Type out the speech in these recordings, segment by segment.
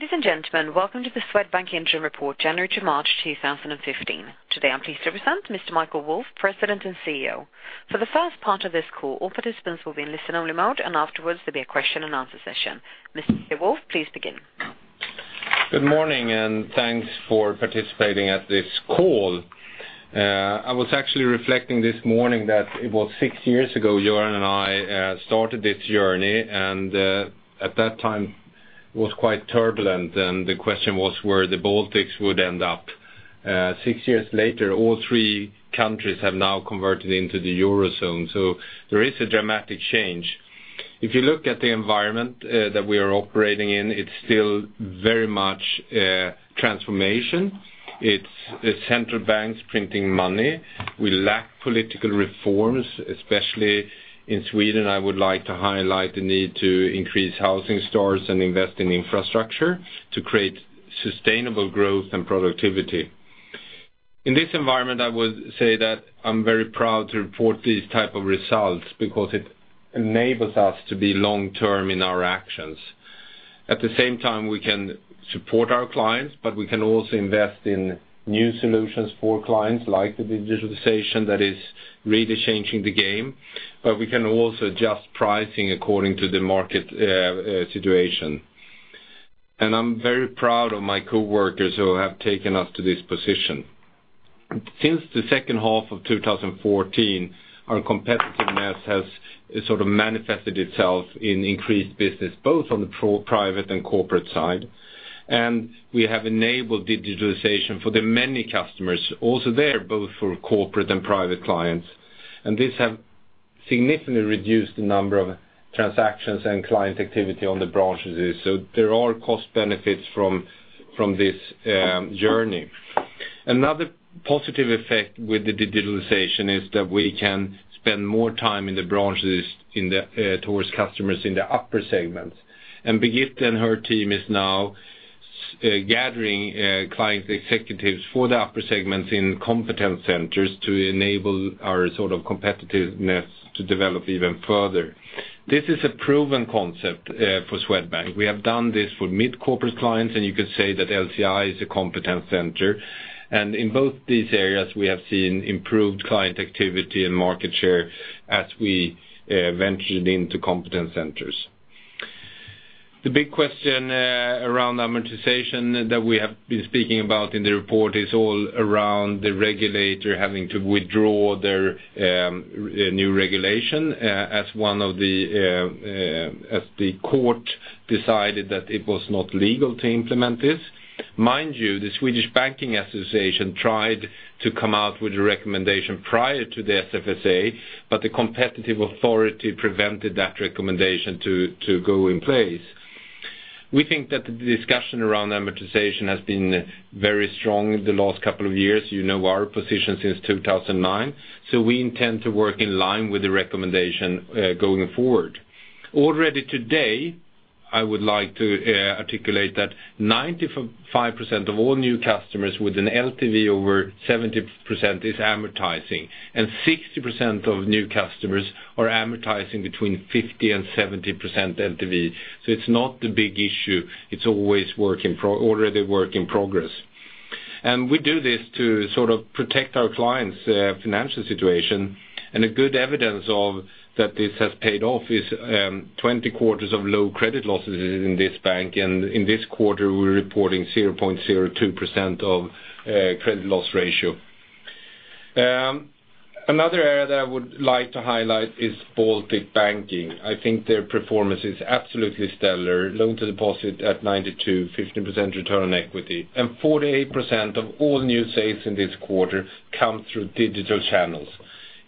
Ladies and gentlemen, welcome to the Swedbank Interim Report, January to March 2015. Today, I'm pleased to present Mr. Michael Wolf, President and CEO. For the first part of this call, all participants will be in listen-only mode, and afterwards, there'll be a question-and-answer session. Mr. Wolf, please begin. Good morning, and thanks for participating at this call. I was actually reflecting this morning that it was six years ago, Göran and I started this journey, and at that time, was quite turbulent, and the question was where the Baltics would end up. Six years later, all three countries have now converted into the Eurozone, so there is a dramatic change. If you look at the environment that we are operating in, it's still very much a transformation. It's the central banks printing money. We lack political reforms, especially in Sweden. I would like to highlight the need to increase housing starts and invest in infrastructure to create sustainable growth and productivity. In this environment, I would say that I'm very proud to report these type of results because it enables us to be long-term in our actions. At the same time, we can support our clients, but we can also invest in new solutions for clients, like the digitalization that is really changing the game, but we can also adjust pricing according to the market situation. I'm very proud of my coworkers who have taken us to this position. Since the second half of 2014, our competitiveness has sort of manifested itself in increased business, both on the private and corporate side. We have enabled digitalization for the many customers, also there, both for corporate and private clients. This have significantly reduced the number of transactions and client activity on the branches, so there are cost benefits from this journey. Another positive effect with the digitalization is that we can spend more time in the branches towards customers in the upper segments. Birgitte and her team is now gathering client executives for the upper segments in competence centers to enable our sort of competitiveness to develop even further. This is a proven concept for Swedbank. We have done this for mid-corporate clients, and you could say that LCI is a competence center. And in both these areas, we have seen improved client activity and market share as we ventured into competence centers. The big question around amortization that we have been speaking about in the report is all around the regulator having to withdraw their new regulation as one of the as the court decided that it was not legal to implement this. Mind you, the Swedish Banking Association tried to come out with a recommendation prior to the SFSA, but the Competition Authority prevented that recommendation to go in place. We think that the discussion around amortization has been very strong in the last couple of years. You know our position since 2009, so we intend to work in line with the recommendation, going forward. Already today, I would like to articulate that 95% of all new customers with an LTV over 70% is amortizing, and 60% of new customers are amortizing between 50% and 70% LTV. So it's not the big issue. It's always work in progress already. We do this to sort of protect our clients financial situation, and a good evidence of that this has paid off is 20 quarters of low credit losses in this bank, and in this quarter, we're reporting 0.02% credit loss ratio. Another area that I would like to highlight is Baltic banking. I think their performance is absolutely stellar. Loan to deposit at 92, 15% return on equity, and 48% of all new sales in this quarter come through digital channels.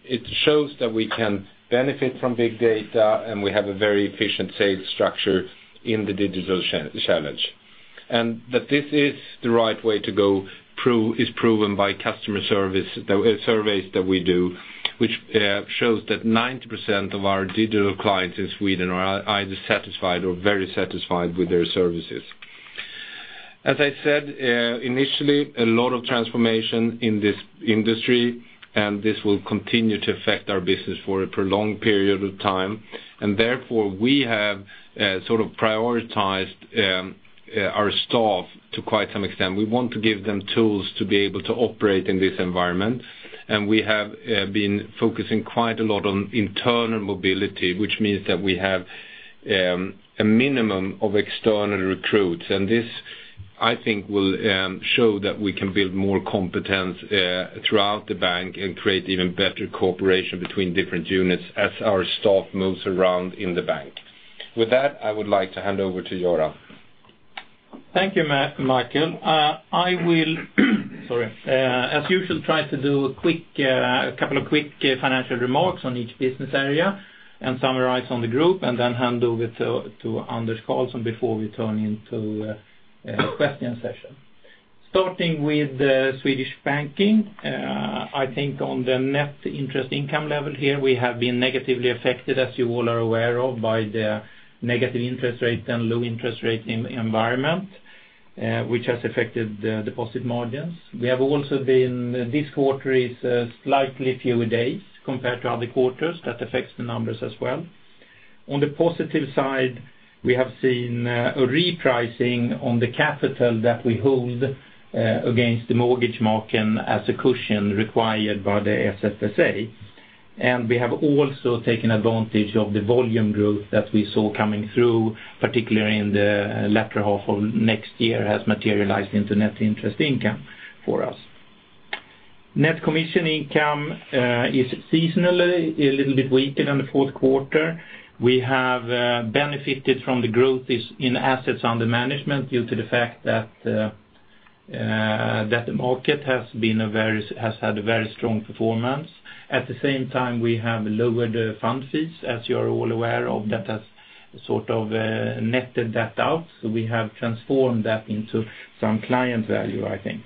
It shows that we can benefit from big data, and we have a very efficient sales structure in the digital channel. That this is the right way to go, proven by customer service, the surveys that we do, which shows that 90% of our digital clients in Sweden are either satisfied or very satisfied with their services. As I said, initially, a lot of transformation in this industry, and this will continue to affect our business for a prolonged period of time. Therefore, we have sort of prioritized our staff to quite some extent. We want to give them tools to be able to operate in this environment, and we have been focusing quite a lot on internal mobility, which means that we have a minimum of external recruits. This, I think, will show that we can build more competence throughout the bank and create even better cooperation between different units as our staff moves around in the bank. With that, I would like to hand over to Göran. Thank you, Michael. I will, sorry, as usual, try to do a quick couple of quick financial remarks on each business area and summarize on the group, and then hand over to Anders Karlsson before we turn into a question session. Starting with Swedish banking, I think on the net interest income level here, we have been negatively affected, as you all are aware of, by the negative interest rate and low interest rate in the environment, which has affected the deposit margins. We have also been, this quarter is slightly fewer days compared to other quarters. That affects the numbers as well. On the positive side, we have seen a repricing on the capital that we hold against the mortgage market as a cushion required by the SFSA. We have also taken advantage of the volume growth that we saw coming through, particularly in the latter half of next year, has materialized into net interest income for us. Net commission income is seasonally a little bit weaker than the Q4. We have benefited from the growth is in assets under management due to the fact that the market has had a very strong performance. At the same time, we have lowered the fund fees, as you are all aware of, that has sort of netted that out, so we have transformed that into some client value, I think.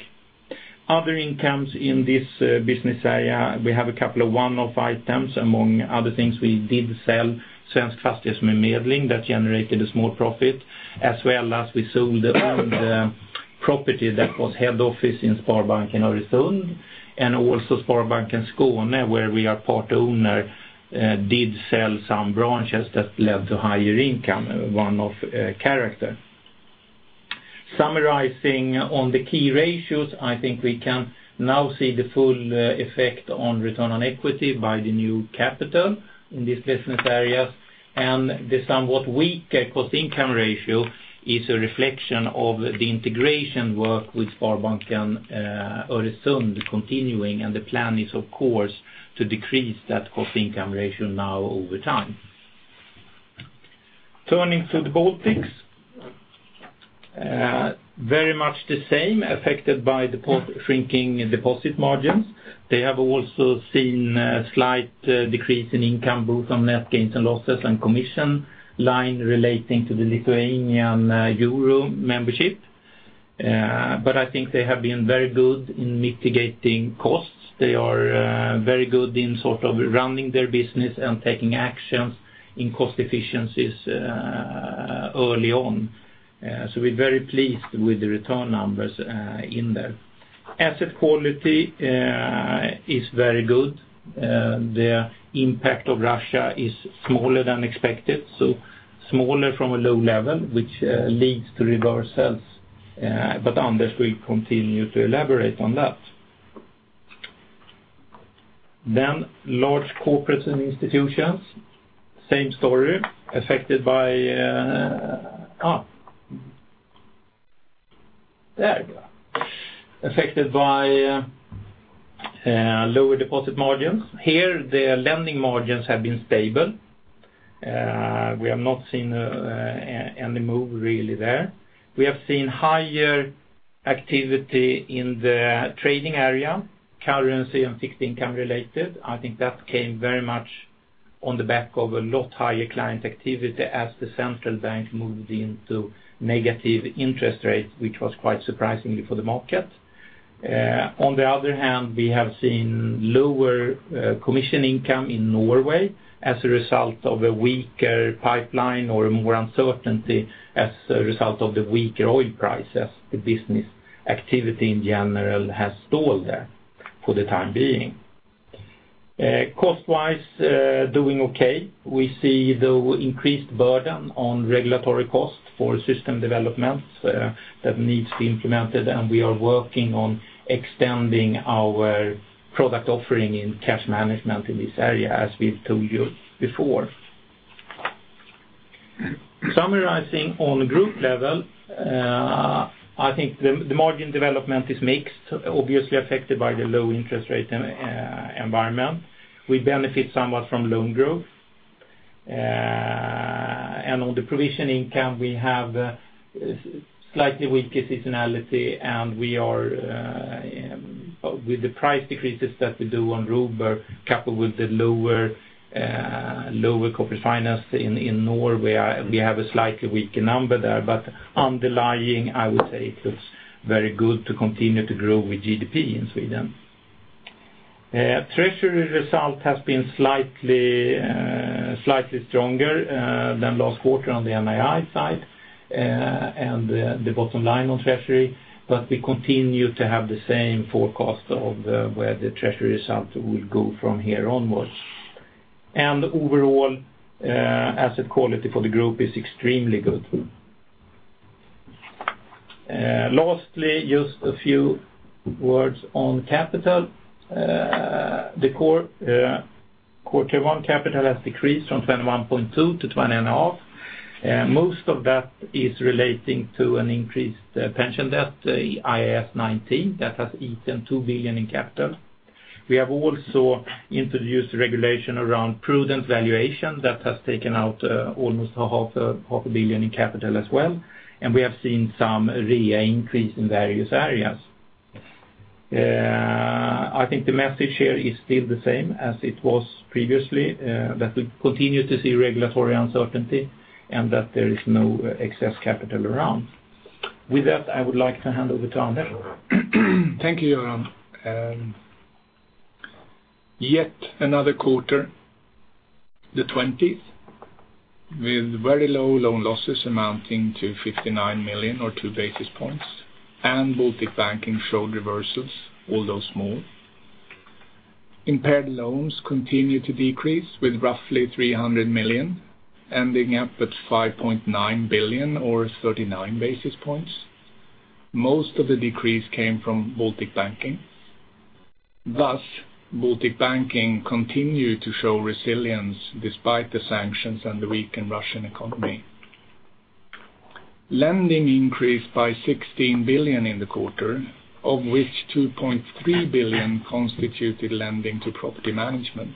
Other incomes in this business area, we have a couple of one-off items. Among other things, we did sell Svensk Fastighetsförmedling. That generated a small profit, as well as we sold, property that was head office in Sparbanken Öresund, and also Sparbanken Skåne, where we are part owner, did sell some branches that led to higher income, one of character. Summarizing on the key ratios, I think we can now see the full, effect on return on equity by the new capital in this business areas. And the somewhat weak cost-income ratio is a reflection of the integration work with Sparbanken, Öresund continuing, and the plan is, of course, to decrease that cost-income ratio now over time. Turning to the Baltics, very much the same, affected by the shrinking deposit margins. They have also seen a slight decrease in income, both on net gains and losses and commission line relating to the Lithuanian euro membership. But I think they have been very good in mitigating costs. They are very good in sort of running their business and taking actions in cost efficiencies early on. So we're very pleased with the return numbers in there. Asset quality is very good. The impact of Russia is smaller than expected, so smaller from a low level, which leads to reversals, but others will continue to elaborate on that. Then Large Corporates and Institutions, same story, affected by lower deposit margins. Here, the lending margins have been stable. We have not seen any move really there. We have seen higher activity in the trading area, currency and fixed income related. I think that came very much on the back of a lot higher client activity as the central bank moved into negative interest rates, which was quite surprisingly for the market. On the other hand, we have seen lower commission income in Norway as a result of a weaker pipeline or more uncertainty as a result of the weaker oil prices. The business activity in general has stalled there for the time being. Cost-wise, doing okay. We see the increased burden on regulatory costs for system developments that needs to be implemented, and we are working on extending our product offering in cash management in this area, as we've told you before. Summarizing on group level, I think the margin development is mixed, obviously affected by the low interest rate environment. We benefit somewhat from loan growth. And on the provision income, we have slightly weaker seasonality, and we are, with the price decreases that we do on Robur, coupled with the lower, lower corporate finance in, in Norway, we have a slightly weaker number there. But underlying, I would say it looks very good to continue to grow with GDP in Sweden. Treasury result has been slightly, slightly stronger, than last quarter on the MAI side, and the, the bottom line on treasury, but we continue to have the same forecast of, where the treasury result will go from here onwards. And overall, asset quality for the group is extremely good. Lastly, just a few words on capital. The core, Tier 1 capital has decreased from 21.2 20.5. Most of that is relating to an increased pension debt, IAS 19, that has eaten 2 billion in capital. We have also introduced regulation around prudent valuation that has taken out almost half a billion in capital as well, and we have seen some RWA increase in various areas. I think the message here is still the same as it was previously, that we continue to see regulatory uncertainty and that there is no excess capital around. With that, I would like to hand over to Anders. Thank you, Göran. Yet another quarter, the twentieth, with very low loan losses amounting to 59 million or two basis points, and Baltic Banking showed reversals, although small. Impaired loans continued to decrease with roughly 300 million, ending up at 5.9 billion or thirty-nine basis points. Most of the decrease came from Baltic Banking. Thus, Baltic Banking continued to show resilience despite the sanctions and the weakened Russian economy. Lending increased by 16 billion in the quarter, of which 2.3 billion constituted lending to property management.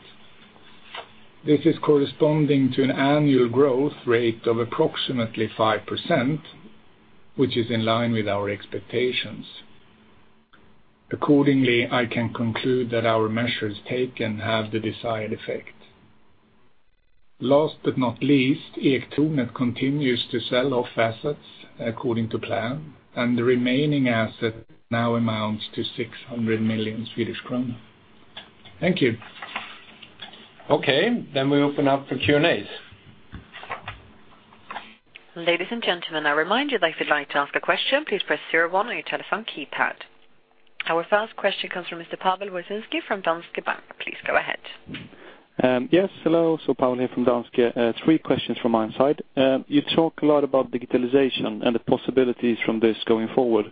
This is corresponding to an annual growth rate of approximately 5%, which is in line with our expectations. Accordingly, I can conclude that our measures taken have the desired effect. Last but not least, Ektornet continues to sell off assets according to plan, and the remaining asset now amounts to 600 million Swedish krona. Thank you. Okay, then we open up for Q&A. Ladies and gentlemen, I remind you that if you'd like to ask a question, please press zero one on your telephone keypad. Our first question comes from Mr. Pawel Wyszynski from Danske Bank. Please go ahead. Yes, hello. So Pawel here from Danske. Three questions from my side. You talk a lot about digitalization and the possibilities from this going forward.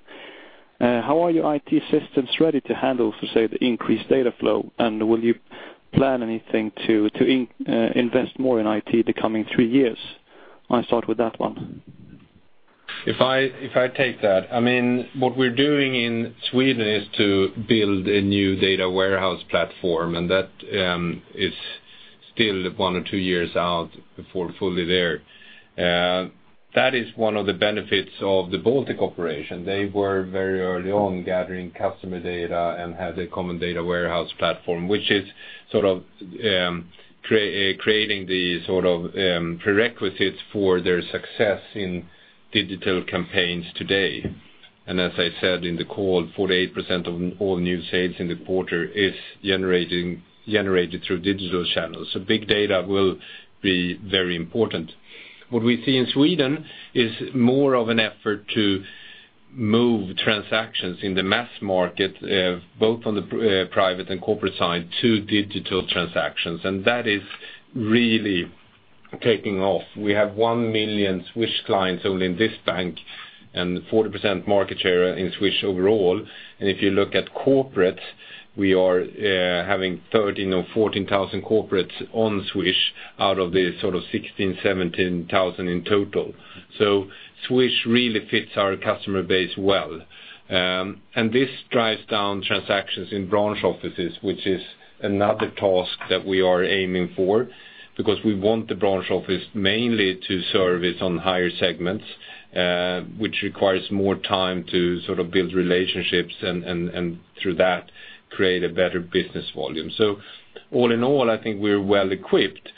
How are your IT systems ready to handle, so say, the increased data flow? And will you plan anything to invest more in IT the coming three years? I start with that one. If I take that, I mean, what we're doing in Sweden is to build a new data warehouse platform, and that is still one or two years out before fully there. That is one of the benefits of the Baltic operation. They were very early on gathering customer data and had a common data warehouse platform, which is sort of creating the sort of prerequisites for their success in digital campaigns today. And as I said in the call, 48% of all new sales in the quarter is generated through digital channels. So big data will be very important. What we see in Sweden is more of an effort to move transactions in the mass market, both on the private and corporate side, to digital transactions, and that is really taking off. We have 1 million Swish clients only in this bank, and 40% market share in Swish overall. If you look at corporate, we are having 13 or 14 thousand corporates on Swish out of the sort of 16-17 thousand in total. So Swish really fits our customer base well. And this drives down transactions in branch offices, which is another task that we are aiming for, because we want the branch office mainly to service on higher segments, which requires more time to sort of build relationships and through that, create a better business volume. So all in all, I think we're well equipped.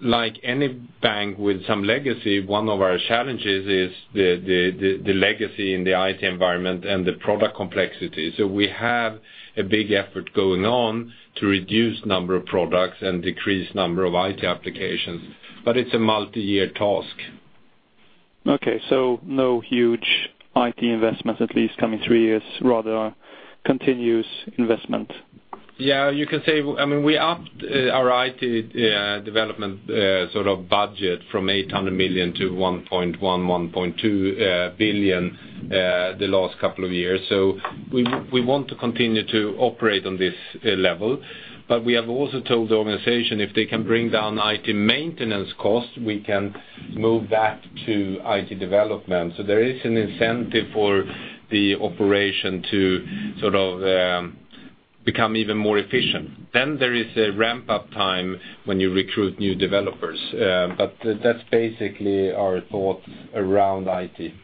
Like any bank with some legacy, one of our challenges is the legacy in the IT environment and the product complexity. We have a big effort going on to reduce number of products and decrease number of IT applications, but it's a multi-year task. Okay, so no huge IT investments, at least coming three years, rather, continuous investment? Yeah, you can say, I mean, we upped our IT development sort of budget from 800 million to 1.1-1.2 billion the last couple of years. So we want to continue to operate on this level, but we have also told the organization if they can bring down IT maintenance costs, we can move that to IT development. So there is an incentive for the operation to sort of become even more efficient. Then there is a ramp-up time when you recruit new developers, but that's basically our thoughts around IT.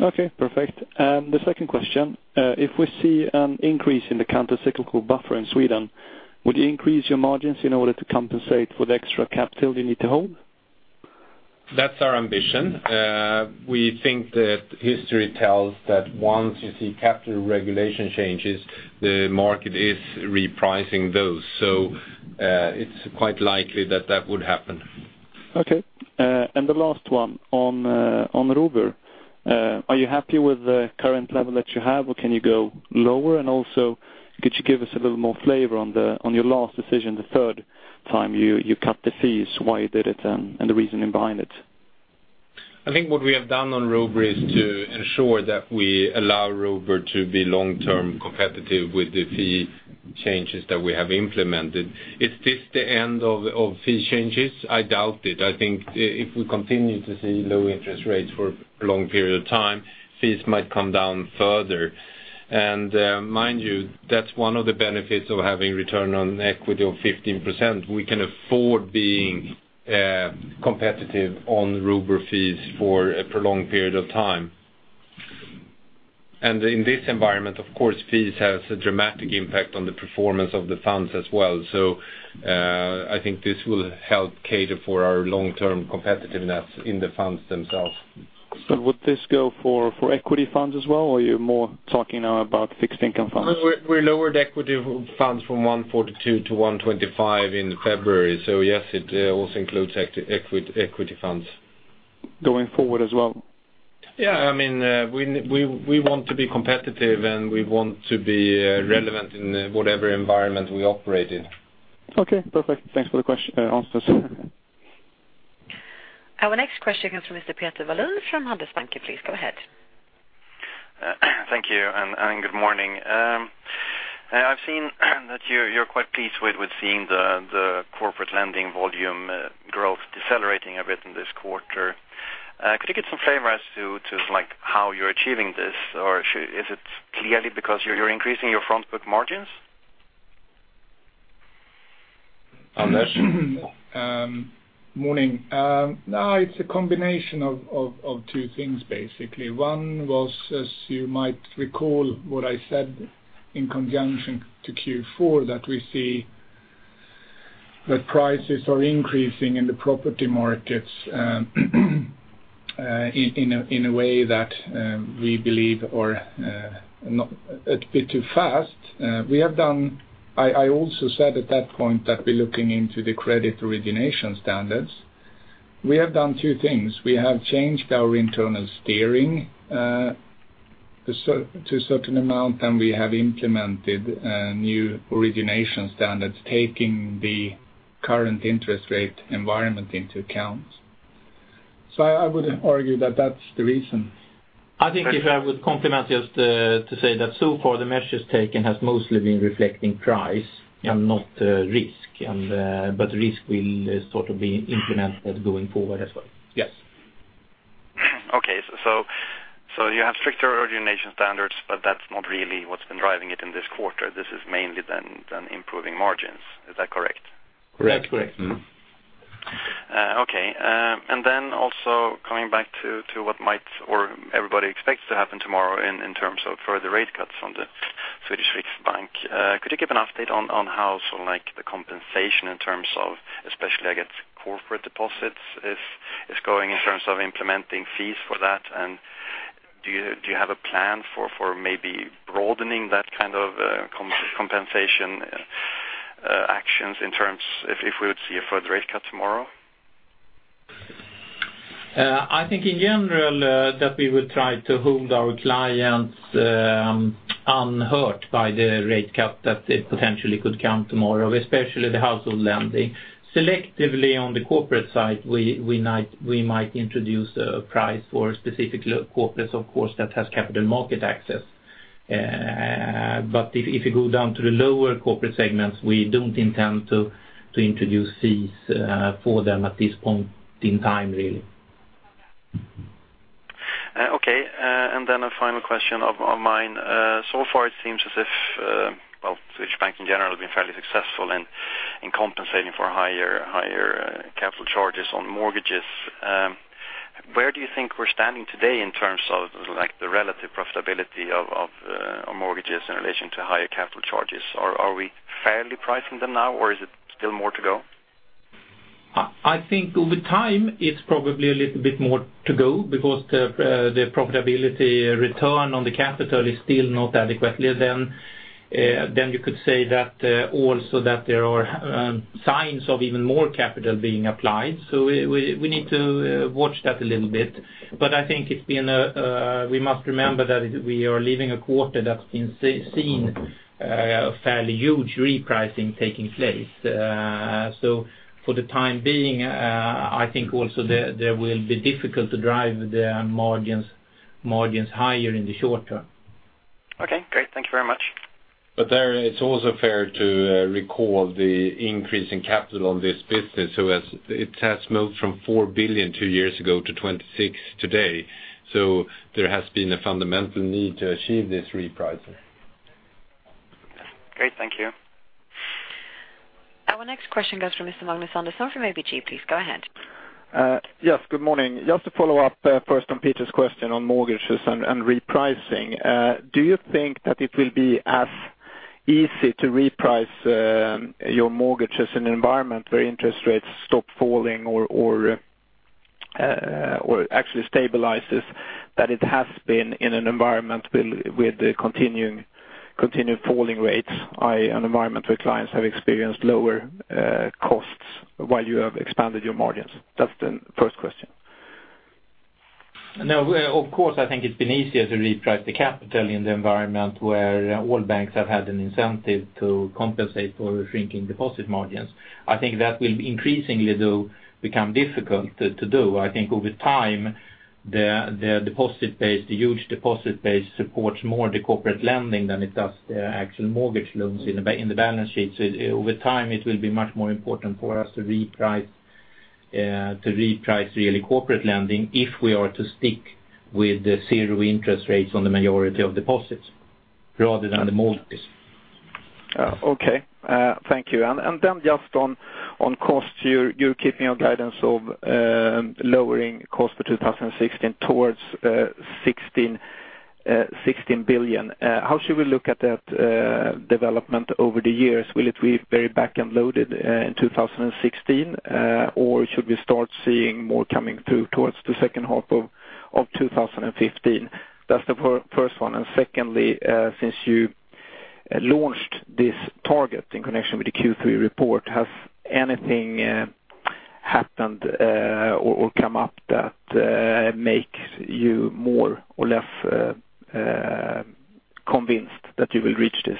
Okay, perfect. And the second question, if we see an increase in the countercyclical buffer in Sweden, would you increase your margins in order to compensate for the extra capital you need to hold? That's our ambition. We think that history tells that once you see capital regulation changes, the market is repricing those. So, it's quite likely that that would happen. Okay. And the last one on Robur. Are you happy with the current level that you have, or can you go lower? And also, could you give us a little more flavor on your last decision, the third time you cut the fees, why you did it and the reasoning behind it? I think what we have done on Robur is to ensure that we allow Robur to be long-term competitive with the fee changes that we have implemented. Is this the end of fee changes? I doubt it. I think if we continue to see low interest rates for a long period of time, fees might come down further. And mind you, that's one of the benefits of having return on equity of 15%. We can afford being competitive on Robur fees for a prolonged period of time. And in this environment, of course, fees has a dramatic impact on the performance of the funds as well. So I think this will help cater for our long-term competitiveness in the funds themselves.... But would this go for, for equity funds as well, or you're more talking now about fixed income funds? We lowered equity funds from 142 to 125 in February. So yes, it also includes equity, equity funds. Going forward as well? Yeah, I mean, we want to be competitive, and we want to be relevant in whatever environment we operate in. Okay, perfect. Thanks for the questions, answers. Our next question comes from Mr. Peter Wallin from Handelsbanken. Please, go ahead. Thank you, and good morning. I've seen that you're quite pleased with seeing the corporate lending volume growth decelerating a bit in this quarter. Could you give some flavor as to, like, how you're achieving this? Or is it clearly because you're increasing your front book margins? Anders? Morning. No, it's a combination of two things, basically. One was, as you might recall, what I said in conjunction to Q4, that we see that prices are increasing in the property markets, in a way that we believe, or not, a bit too fast. I also said at that point that we're looking into the credit origination standards. We have done two things. We have changed our internal steering to a certain amount, and we have implemented new origination standards, taking the current interest rate environment into account. So I would argue that that's the reason. I think if I would comment just to say that so far, the measures taken has mostly been reflecting price and not risk, and but risk will sort of be implemented going forward as well. Yes. Okay, so you have stricter origination standards, but that's not really what's been driving it in this quarter. This is mainly then improving margins. Is that correct? Correct. Correct. Mm-hmm. Okay. And then also coming back to what might or everybody expects to happen tomorrow in terms of further rate cuts on the Swedish Riksbank. Could you give an update on how so, like, the compensation in terms of especially, I guess, corporate deposits is going in terms of implementing fees for that? And do you have a plan for maybe broadening that kind of compensation actions in terms if we would see a further rate cut tomorrow? I think in general that we would try to hold our clients unhurt by the rate cut that it potentially could come tomorrow, especially the household lending. Selectively on the corporate side, we might introduce a price for specific corporates, of course, that has capital market access. But if you go down to the lower corporate segments, we don't intend to introduce fees for them at this point in time, really. Okay. And then a final question of mine. So far it seems as if, well, Swedbank in general has been fairly successful in compensating for higher capital charges on mortgages. Where do you think we're standing today in terms of, like, the relative profitability of our mortgages in relation to higher capital charges? Are we fairly pricing them now, or is it still more to go? I think over time, it's probably a little bit more to go because the profitability return on the capital is still not adequately. Then you could say that also that there are signs of even more capital being applied. So we need to watch that a little bit. But I think it's been a... We must remember that we are leaving a quarter that's been seen a fairly huge repricing taking place. So for the time being, I think also there will be difficult to drive the margins higher in the short term. Okay, great. Thank you very much. There, it's also fair to recall the increase in capital on this business. As it has moved from 4 billion 2 years ago to 26 billion today, there has been a fundamental need to achieve this repricing. Great, thank you. Our next question goes to Mr. Magnus Andersson from ABG. Please, go ahead. Yes, good morning. Just to follow up, first on Peter's question on mortgages and repricing. Do you think that it will be as easy to reprice your mortgages in an environment where interest rates stop falling or actually stabilizes, that it has been in an environment with the continued falling rates, i.e., an environment where clients have experienced lower costs while you have expanded your margins? That's the first question. No, of course, I think it's been easier to reprice the capital in the environment where all banks have had an incentive to compensate for shrinking deposit margins. I think that will increasingly, though, become difficult to do. I think over time, the deposit base, the huge deposit base, supports more the corporate lending than it does the actual mortgage loans in the balance sheets. Over time, it will be much more important for us to reprice really corporate lending if we are to stick with the zero interest rates on the majority of deposits rather than the mortgages. Okay. Thank you. And then just on cost, you're keeping your guidance of lowering cost for 2016 towards 16 billion. How should we look at that development over the years? Will it be very back-end loaded in 2016? Or should we start seeing more coming through towards the second half of 2015? That's the first one. And secondly, since you launched this target in connection with the Q3 report, has anything happened or come up that makes you more or less convinced that you will reach this?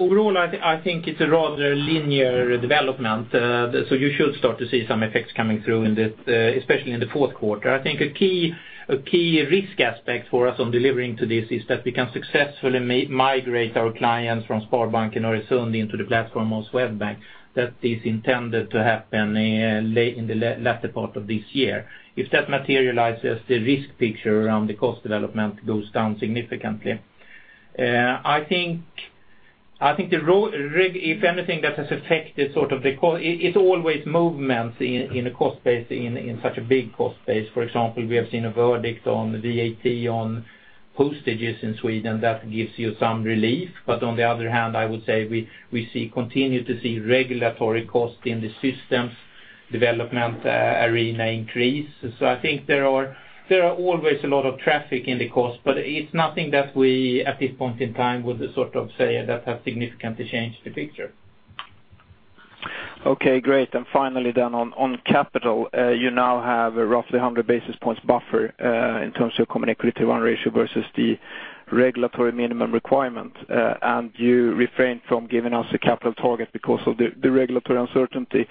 Overall, I think it's a rather linear development. So you should start to see some effects coming through in the especially in the fourth quarter. I think a key risk aspect for us on delivering to this is that we can successfully migrate our clients from Sparbanken Öresund into the platform of Swedbank. That is intended to happen late in the latter part of this year. If that materializes, the risk picture around the cost development goes down significantly. I think if anything, that has affected sort of the cost, it's always movements in a cost base, in such a big cost base. For example, we have seen a verdict on VAT, on postages in Sweden, that gives you some relief. But on the other hand, I would say we continue to see regulatory costs in the systems development arena increase. So I think there are always a lot of traffic in the cost, but it's nothing that we, at this point in time, would sort of say that has significantly changed the picture. Okay, great. And finally, then on, on capital, you now have a roughly 100 basis points buffer, in terms of common equity one ratio versus the regulatory minimum requirement. And you refrained from giving us a capital target because of the, the regulatory uncertainty.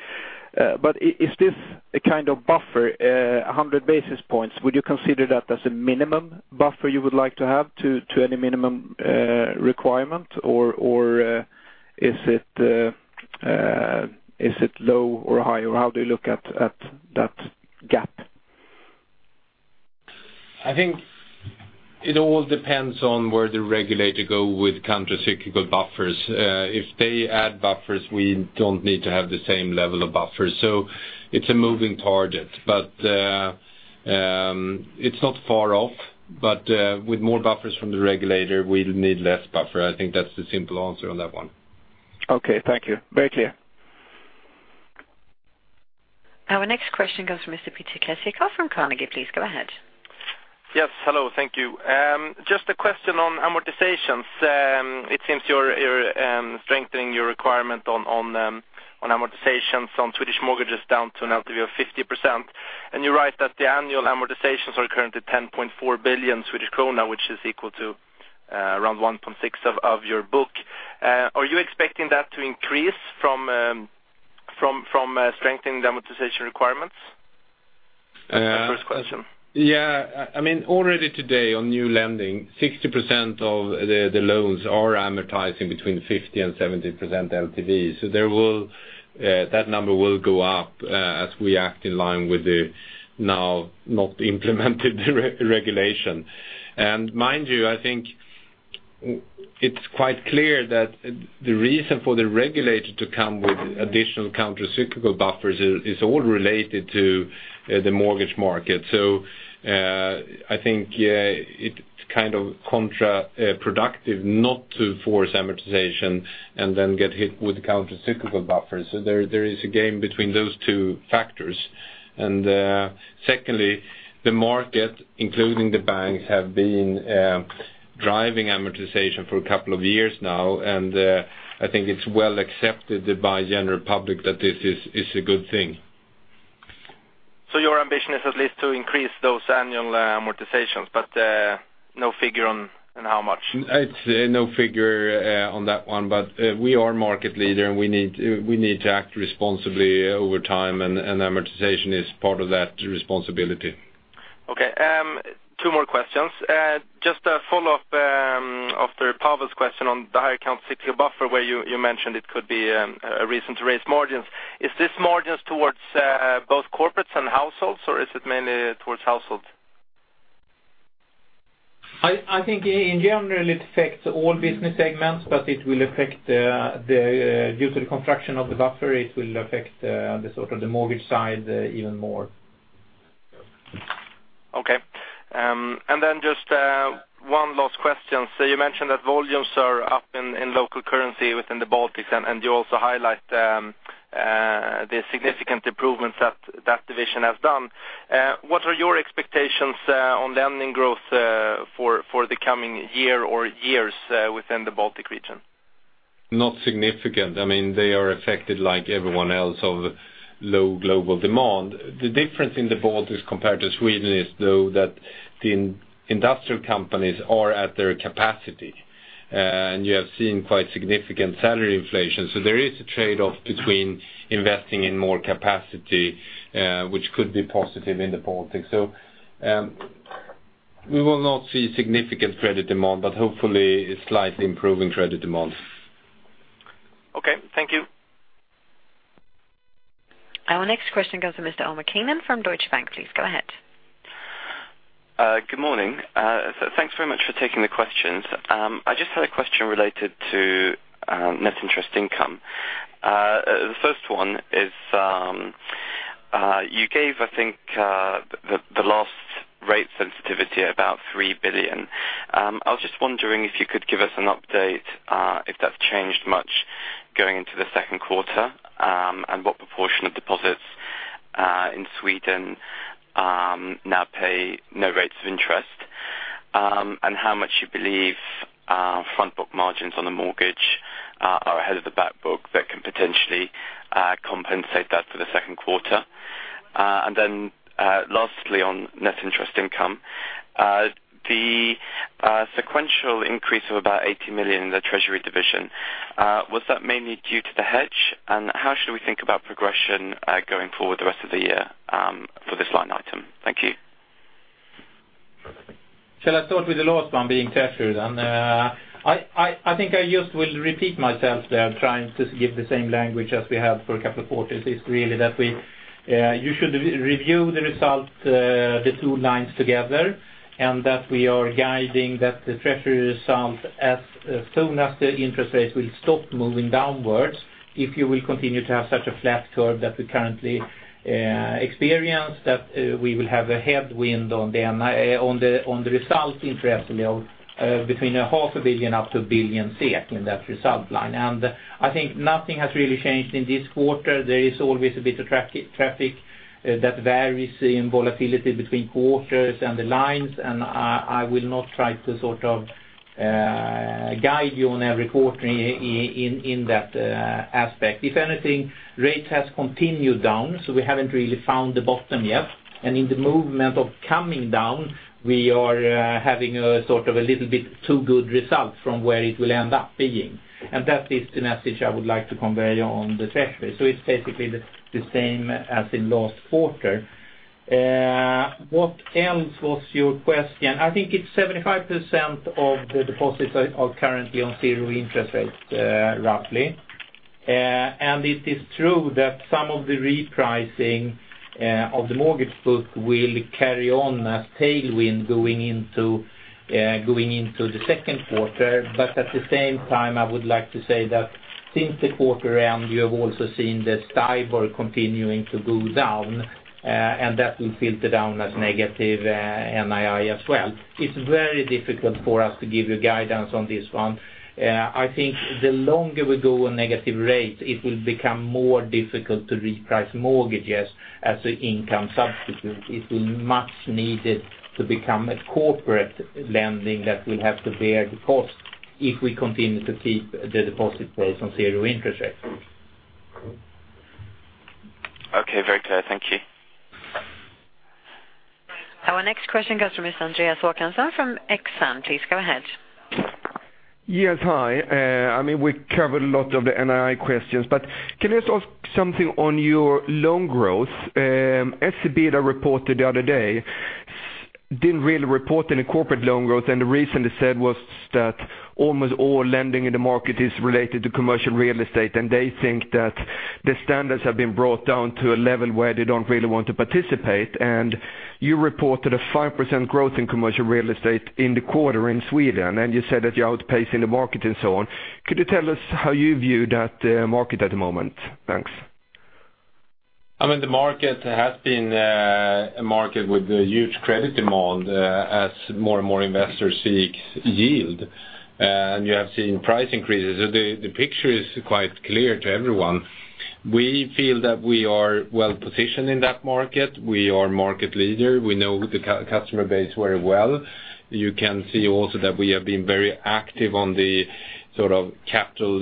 But is this a kind of buffer, a 100 basis points? Would you consider that as a minimum buffer you would like to have to, to any minimum, requirement? Or, or, is it, is it low or high, or how do you look at, at that gap? I think it all depends on where the regulator go with countercyclical buffers. If they add buffers, we don't need to have the same level of buffers. So it's a moving target, but it's not far off, but with more buffers from the regulator, we'll need less buffer. I think that's the simple answer on that one. Okay, thank you. Very clear. Our next question goes to Mr. Peter Kessiakoff from Carnegie. Please go ahead. Yes, hello, thank you. Just a question on amortizations. It seems you're, you're, strengthening your requirement on, on, on amortizations on Swedish mortgages down to an LTV of 50%. And you write that the annual amortizations are currently 10.4 billion Swedish krona, which is equal to, around 1.6 of, of your book. Are you expecting that to increase from, from, strengthening the amortization requirements? First question. Yeah. I mean, already today, on new lending, 60% of the loans are amortizing between 50%-70% LTV. So there will, that number will go up, as we act in line with the now not implemented re-regulation. And mind you, I think it's quite clear that the reason for the regulator to come with additional countercyclical buffers is all related to the mortgage market. So, I think, yeah, it's kind of counterproductive not to force amortization and then get hit with the countercyclical buffers. So there is a game between those two factors. And, secondly, the market, including the banks, have been driving amortization for a couple of years now, and I think it's well accepted by general public that this is a good thing. Your ambition is at least to increase those Annual amortizations, but no figure on how much? It's no figure on that one, but we are market leader, and we need to, we need to act responsibly over time, and amortization is part of that responsibility. Okay, two more questions. Just a follow-up after Pawel's question on the higher countercyclical buffer, where you mentioned it could be a reason to raise margins. Is this margins towards both corporates and households, or is it mainly towards households? I think in general, it affects all business segments, but it will affect, due to the contraction of the buffer, it will affect the sort of the mortgage side even more. Okay. And then just one last question. So you mentioned that volumes are up in local currency within the Baltics, and you also highlight the significant improvements that that division has done. What are your expectations on lending growth for the coming year or years within the Baltic region? Not significant. I mean, they are affected like everyone else, of low global demand. The difference in the Baltics compared to Sweden is, though, that the industrial companies are at their capacity, and you have seen quite significant salary inflation. So there is a trade-off between investing in more capacity, which could be positive in the Baltics. So, we will not see significant credit demand, but hopefully a slightly improving credit demand. Okay, thank you. Our next question goes to Mr. Omar Keenan from Deutsche Bank. Please go ahead. Good morning. So thanks very much for taking the questions. I just had a question related to net interest income. The first one is, you gave, I think, the last rate sensitivity about 3 billion. I was just wondering if you could give us an update, if that's changed much going into the Q2, and what proportion of deposits in Sweden now pay no rates of interest? And how much you believe front book margins on the mortgage are ahead of the back book that can potentially compensate that for the Q2? And then, lastly, on net interest income, the sequential increase of about 80 million in the treasury division, was that mainly due to the hedge? How should we think about progression going forward the rest of the year for this line item? Thank you. Shall I start with the last one, being treasury then? I think I just will repeat myself there, trying to give the same language as we have for a couple of quarters. It's really that we—you should review the result, the two lines together, and that we are guiding that the treasury results as soon as the interest rates will stop moving downwards. If you will continue to have such a flat curve that we currently experience, that we will have a headwind on the NII, on the result interest level, between 500 million-1 billion in that result line. And I think nothing has really changed in this quarter. There is always a bit of traffic, traffic that varies in volatility between quarters and the lines, and I will not try to sort of guide you on every quarter in, in that aspect. If anything, rates has continued down, so we haven't really found the bottom yet. And in the movement of coming down, we are having a sort of a little bit too good result from where it will end up being. And that is the message I would like to convey on the treasury. So it's basically the same as in last quarter. What else was your question? I think it's 75% of the deposits are currently on zero interest rates, roughly. And it is true that some of the repricing, of the mortgage book will carry on as tailwind going into, going into the Q2 But at the same time, I would like to say that since the quarter end, you have also seen the Stibor continuing to go down, and that will filter down as negative, NII as well. It's very difficult for us to give you guidance on this one. I think the longer we go on negative rates, it will become more difficult to reprice mortgages as an income substitute. It will much needed to become a corporate lending that will have to bear the cost if we continue to keep the deposit rates on zero interest rates. Okay, very clear. Thank you. Our next question comes from Mr. Andreas Håkansson from Exane. Please, go ahead. Yes, hi. I mean, we covered a lot of the NII questions, but can I just ask something on your loan growth? SEB that reported the other day didn't really report any corporate loan growth, and the reason they said was that almost all lending in the market is related to commercial real estate, and they think that the standards have been brought down to a level where they don't really want to participate. And you reported a 5% growth in commercial real estate in the quarter in Sweden, and you said that you're outpacing the market and so on. Could you tell us how you view that market at the moment? Thanks. I mean, the market has been, a market with a huge credit demand, as more and more investors seek yield, and you have seen price increases. The picture is quite clear to everyone. We feel that we are well positioned in that market. We are market leader. We know the customer base very well. You can see also that we have been very active on the sort of capital,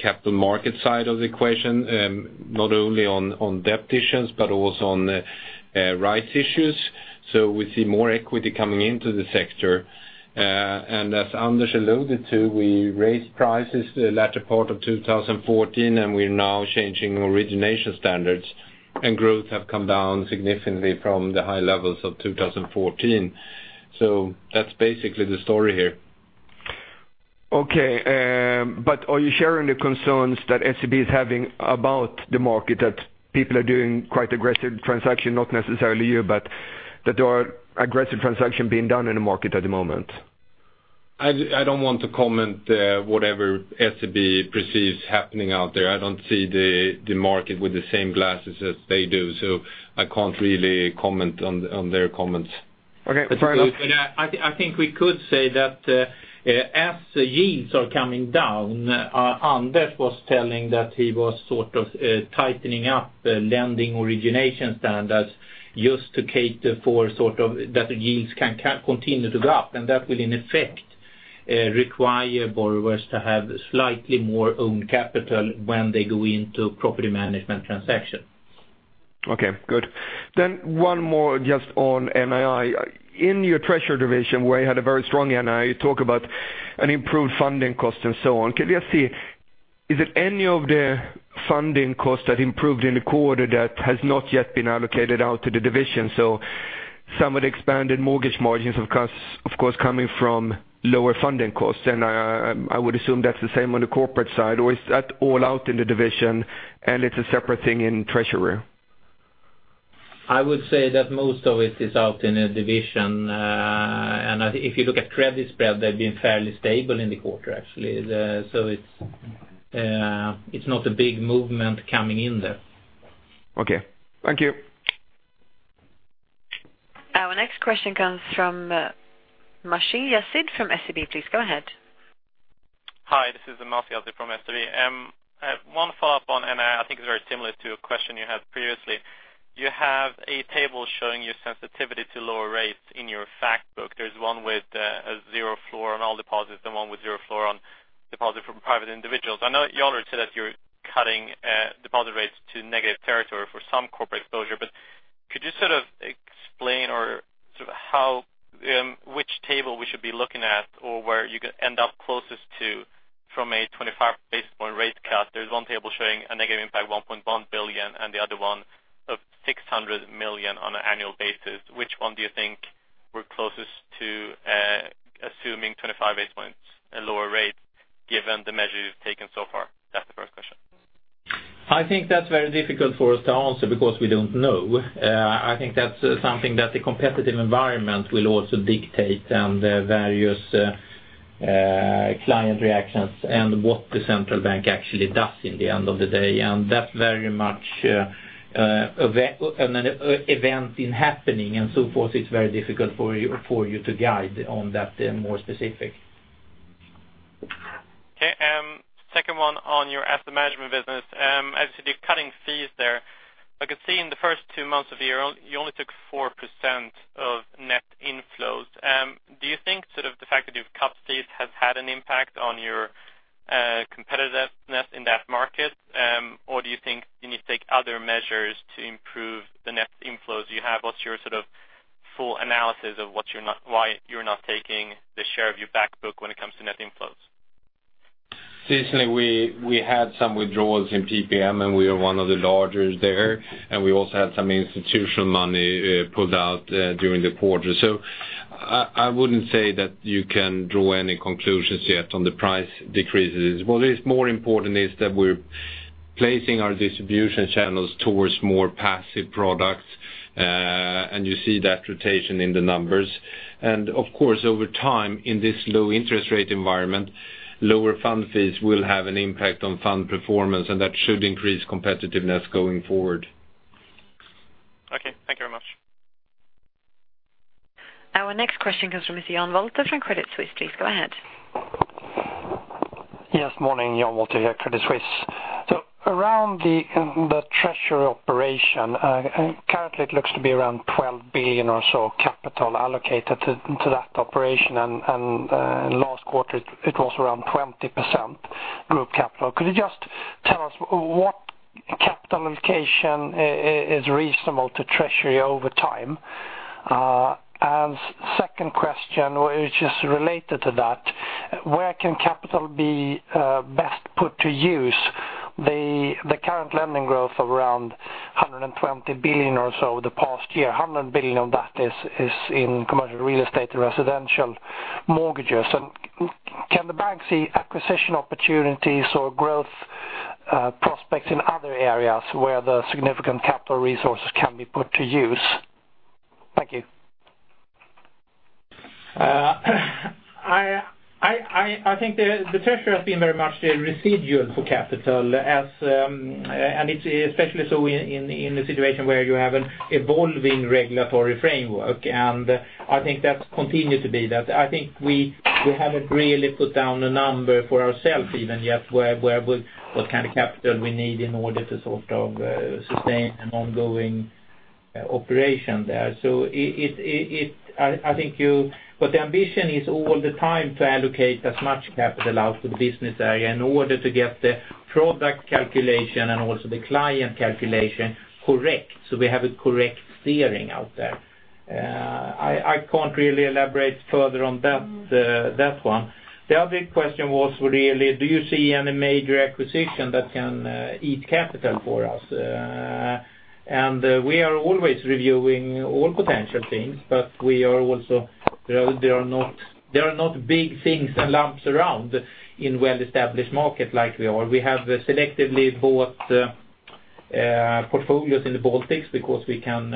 capital market side of the equation, not only on, on debt issues, but also on, rights issues. So we see more equity coming into the sector. And as Anders alluded to, we raised prices the latter part of 2014, and we're now changing origination standards, and growth have come down significantly from the high levels of 2014. So that's basically the story here. Okay, but are you sharing the concerns that SEB is having about the market, that people are doing quite aggressive transactions, not necessarily you, but that there are aggressive transactions being done in the market at the moment? I don't want to comment whatever SEB perceives happening out there. I don't see the market with the same glasses as they do, so I can't really comment on their comments. Okay, very well. But I think we could say that, as yields are coming down, Anders was telling that he was sort of tightening up the lending origination standards just to cater for sort of that the yields can continue to go up, and that will, in effect, require borrowers to have slightly more own capital when they go into property management transactions. Okay, good. Then one more just on NII. In your treasury division, where you had a very strong NII, you talk about an improved funding cost and so on. Can we just see, is it any of the funding costs that improved in the quarter that has not yet been allocated out to the division? So some of the expanded mortgage margins, of course, of course, coming from lower funding costs, and I, I would assume that's the same on the corporate side, or is that all out in the division and it's a separate thing in treasury? ... I would say that most of it is out in a division. And if you look at credit spread, they've been fairly stable in the quarter, actually. So it's not a big movement coming in there. Okay. Thank you. Our next question comes from Masih Yazdi from SEB. Please go ahead. Hi, this is Masih Yazdi from SEB. One follow-up on, and I think it's very similar to a question you had previously. You have a table showing your sensitivity to lower rates in your fact book. There's one with a zero floor on all deposits, and one with zero floor on deposits from private individuals. I know you already said that you're cutting deposit rates to negative territory for some corporate exposure, but could you sort of explain or sort of how which table we should be looking at, or where you could end up closest to from a 25 basis point rate cut? There's one table showing a negative impact, 1.1 billion, and the other one of 600 million on an Annual Basis. Which one do you think we're closest to, assuming 25 basis points and lower rates, given the measures you've taken so far? That's the first question. I think that's very difficult for us to answer because we don't know. I think that's something that the competitive environment will also dictate, and the various client reactions and what the central bank actually does in the end of the day. And that's very much an event in happening and so forth. It's very difficult for you to guide on that more specific. Okay, second one on your asset management business. As you're cutting fees there, I could see in the first two months of the year, you only took 4% of net inflows. Do you think sort of the fact that you've cut fees has had an impact on your, competitiveness in that market? Or do you think you need to take other measures to improve the net inflows you have? What's your sort of full analysis of why you're not taking the share of your back book when it comes to net inflows? Recently, we had some withdrawals in PPM, and we are one of the largest there, and we also had some institutional money pulled out during the quarter. So I wouldn't say that you can draw any conclusions yet on the price decreases. What is more important is that we're placing our distribution channels towards more passive products, and you see that rotation in the numbers. And of course, over time, in this low interest rate environment, lower fund fees will have an impact on fund performance, and that should increase competitiveness going forward. Okay, thank you very much. Our next question comes from Mr. Jan Wolter from Credit Suisse. Please go ahead. Yes, morning, Jan Wolter here, Credit Suisse. So around the treasury operation, currently it looks to be around 12 billion or so capital allocated to that operation, and last quarter, it was around 20% group capital. Could you just tell us what capital allocation is reasonable to treasury over time? And second question, which is related to that, where can capital be best put to use? The current lending growth of around 120 billion or so over the past year, 100 billion of that is in Commercial Real Estate and residential mortgages. And can the bank see acquisition opportunities or growth prospects in other areas where the significant capital resources can be put to use? Thank you. I think the treasury has been very much the residual for capital as, and it's especially so in the situation where you have an evolving regulatory framework. And I think that's continued to be that. I think we haven't really put down a number for ourselves even yet, where would what kind of capital we need in order to sort of sustain an ongoing operation there. So, I think you-- But the ambition is all the time to allocate as much capital out to the business area in order to get the product calculation and also the client calculation correct, so we have a correct steering out there. I can't really elaborate further on that one. The other question was really, do you see any major acquisition that can eat capital for us? And we are always reviewing all potential things, but we are also, there are not, there are not big things and lumps around in well-established market like we are. We have selectively bought portfolios in the Baltics because we can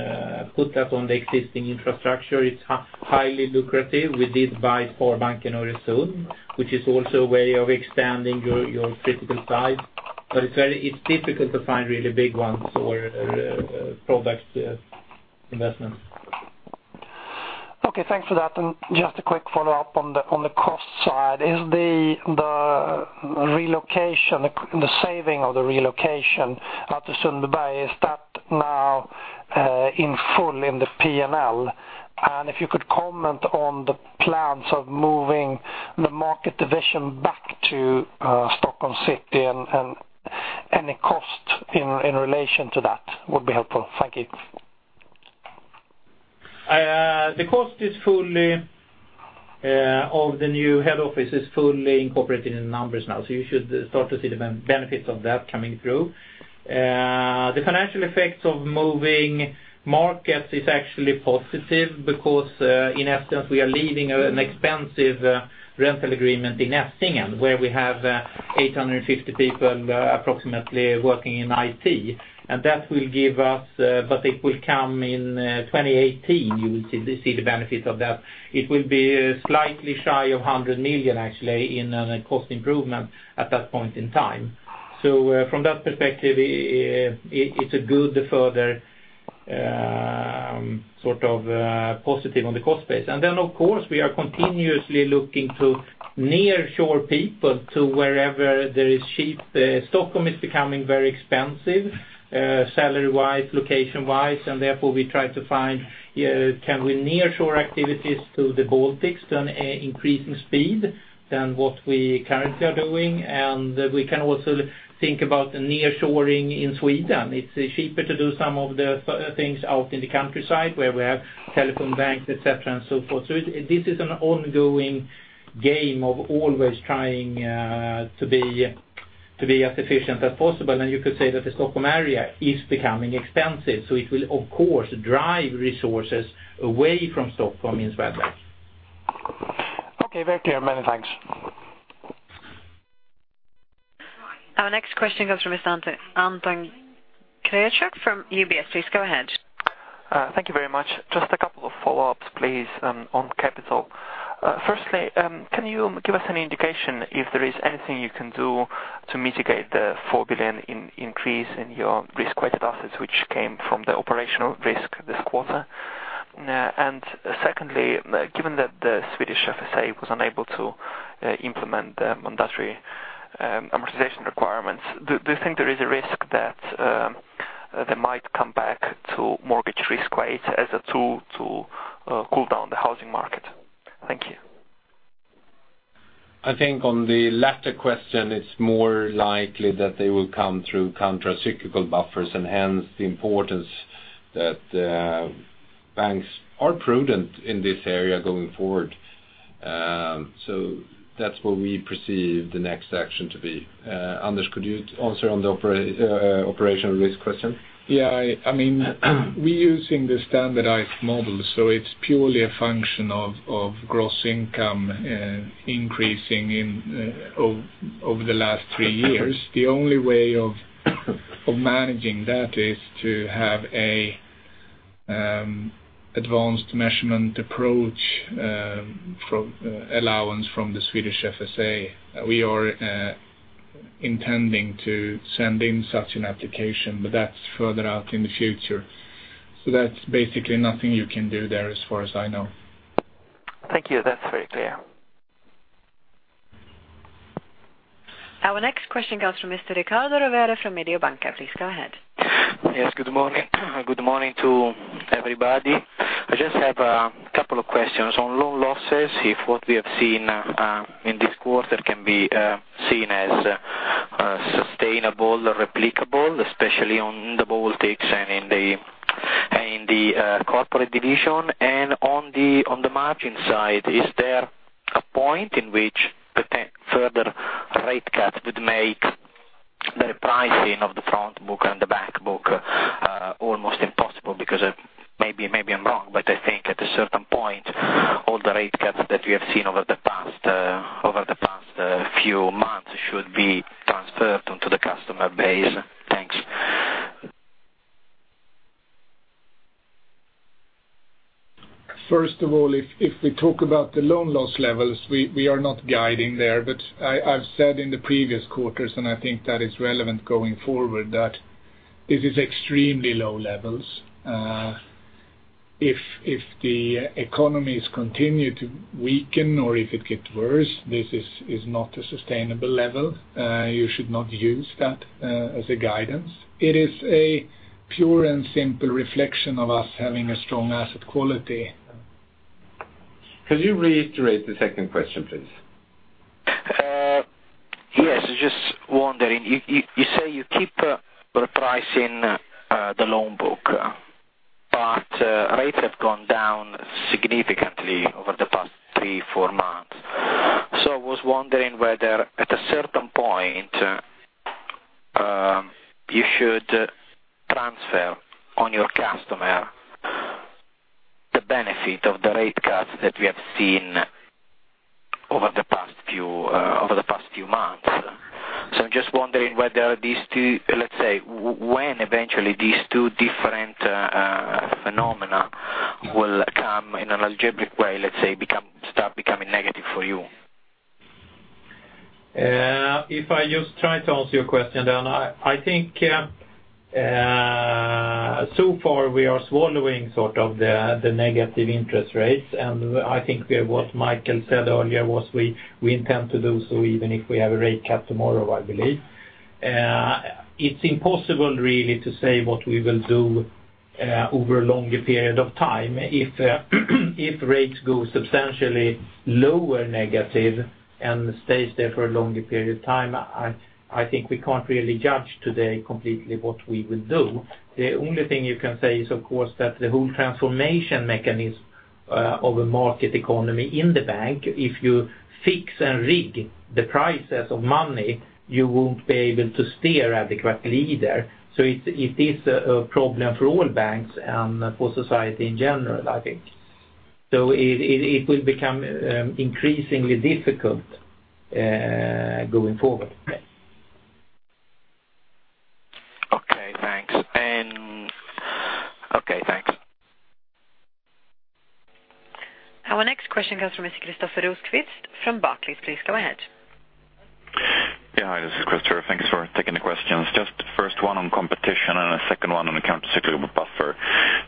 put that on the existing infrastructure. It's highly lucrative. We did buy Sparbanken Öresund, which is also a way of expanding your physical size. But it's very, it's difficult to find really big ones or product investments. Okay, thanks for that. And just a quick follow-up on the, on the cost side. Is the, the relocation, the saving of the relocation out to Sundbyberg, is that now in full in the PNL? And if you could comment on the plans of moving the market division back to, Stockholm City and any cost in, in relation to that would be helpful. Thank you. The cost of the new head office is fully incorporated in the numbers now, so you should start to see the benefits of that coming through. The financial effects of moving markets is actually positive because in essence, we are leaving an expensive rental agreement in Estonia, where we have 850 people, approximately, working in IT. And that will give us, but it will come in 2018, you will see the benefits of that. It will be slightly shy of 100 million, actually, in a cost improvement at that point in time. So from that perspective, it's a good sort of positive on the cost base. And then, of course, we are continuously looking to nearshore people to wherever there is cheap. Stockholm is becoming very expensive, salary-wise, location-wise, and therefore we try to find, can we nearshore activities to the Baltics on increasing speed than what we currently are doing? And we can also think about the nearshoring in Sweden. It's cheaper to do some of the things out in the countryside where we have telephone banks, et cetera, and so forth. So this is an ongoing game of always trying, to be, to be as efficient as possible, and you could say that the Stockholm area is becoming expensive, so it will, of course, drive resources away from Stockholm in Swedbank. Okay, very clear. Many thanks. Our next question comes from Anton Kryachok from UBS. Please go ahead. Thank you very much. Just a couple of follow-ups, please, on capital. Firstly, can you give us any indication if there is anything you can do to mitigate the 4 billion increase in your risk-weighted assets, which came from the operational risk this quarter? And secondly, given that the Swedish FSA was unable to implement the mandatory amortization requirements, do you think there is a risk that they might come back to mortgage risk weight as a tool to cool down the housing market? Thank you. I think on the latter question, it's more likely that they will come through countercyclical buffers, and hence the importance that banks are prudent in this area going forward. So that's where we perceive the next action to be. Anders, could you answer on the operational risk question? Yeah, I mean, we're using the standardized model, so it's purely a function of gross income increasing over the last three years. The only way of managing that is to have an advanced measurement approach from allowance from the Swedish FSA. We are intending to send in such an application, but that's further out in the future. So that's basically nothing you can do there, as far as I know. Thank you. That's very clear. Our next question comes from Mr. Riccardo Rovere from Mediobanca. Please go ahead. Yes, good morning. Good morning to everybody. I just have a couple of questions on loan losses, if what we have seen in this quarter can be seen as sustainable or replicable, especially on the Baltics and in the corporate division. And on the margin side, is there a point in which the tech further rate cut would make the repricing of the front book and the back book almost impossible? Because of maybe, maybe I'm wrong, but I think at a certain point, all the rate cuts that we have seen over the past few months should be transferred onto the customer base. Thanks. First of all, if we talk about the loan loss levels, we are not guiding there, but I've said in the previous quarters, and I think that is relevant going forward, that this is extremely low levels. If the economies continue to weaken or if it gets worse, this is not a sustainable level. You should not use that as a guidance. It is a pure and simple reflection of us having a strong asset quality. Could you reiterate the second question, please? Yes. Just wondering, you say you keep repricing the loan book, but rates have gone down significantly over the past 3-4 months. So I was wondering whether at a certain point you should transfer on your customer the benefit of the rate cuts that we have seen over the past few months. So I'm just wondering whether these two... Let's say, when eventually these two different phenomena will come in an algebraic way, let's say, become, start becoming negative for you. If I just try to answer your question, then I think, so far we are swallowing sort of the negative interest rates, and I think what Michael said earlier was we intend to do so even if we have a rate cut tomorrow, I believe. It's impossible really to say what we will do over a longer period of time. If rates go substantially lower negative and stays there for a longer period of time, I think we can't really judge today completely what we will do. The only thing you can say is, of course, that the whole transformation mechanism of a market economy in the bank, if you fix and rig the prices of money, you won't be able to steer adequately either. So it is a problem for all banks and for Society in general, I think. So it will become increasingly difficult going forward. Okay, thanks. And okay, thanks. ...The question comes from Mr. Kristofer Rosqvist from Barclays. Please go ahead. Yeah, hi, this is Christopher. Thank you for taking the questions. Just first one on competition and a second one on the countercyclical buffer.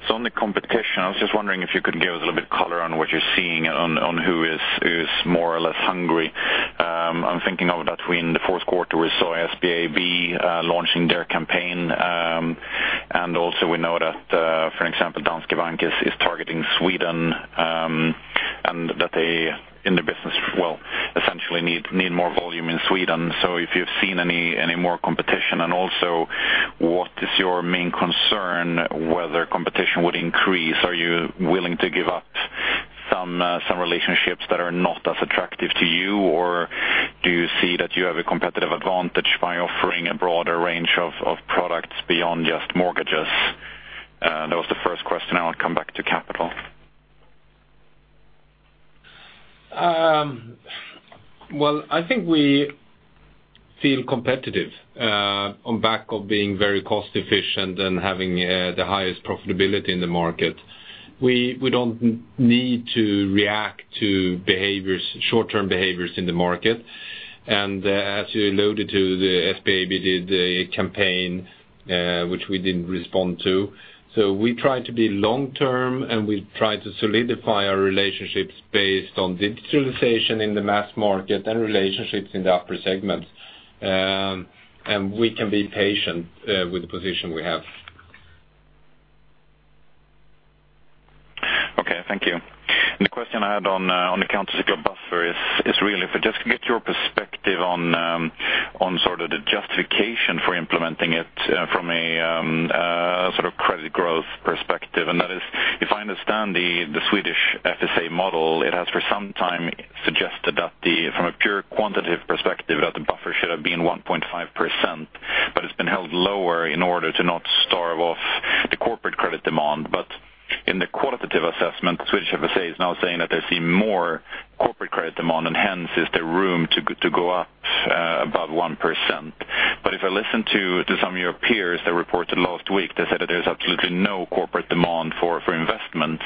So on the competition, I was just wondering if you could give us a little bit color on what you're seeing on who is more or less hungry. I'm thinking of that between the fourth quarter, we saw SBAB launching their campaign. And also we know that, for example, Danske Bank is targeting Sweden, and that they, in the business, well, essentially need more volume in Sweden. So if you've seen any more competition, and also, what is your main concern whether competition would increase? Are you willing to give up some, some relationships that are not as attractive to you, or do you see that you have a competitive advantage by offering a broader range of, of products beyond just mortgages? That was the first question. I want to come back to capital. Well, I think we feel competitive on back of being very cost efficient and having the highest profitability in the market. We don't need to react to behaviors, short-term behaviors in the market. And as you alluded to, the SBAB did a campaign, which we didn't respond to. So we try to be long-term, and we try to solidify our relationships based on digitalization in the mass market and relationships in the upper segment. And we can be patient with the position we have. Okay, thank you. The question I had on, on the countercyclical buffer is, is really if I just get your perspective on, on sort of the justification for implementing it, from a, sort of credit growth perspective. And that is, if I understand the, the Swedish FSA model, it has for some time suggested that the, from a pure quantitative perspective, that the buffer should have been 1.5%, but it's been held lower in order to not starve off the corporate credit demand. But in the qualitative assessment, Swedish FSA is now saying that they see more corporate credit demand, and hence, is there room to g- to go up, above 1%. But if I listen to some of your peers that reported last week, they said that there's absolutely no corporate demand for investments,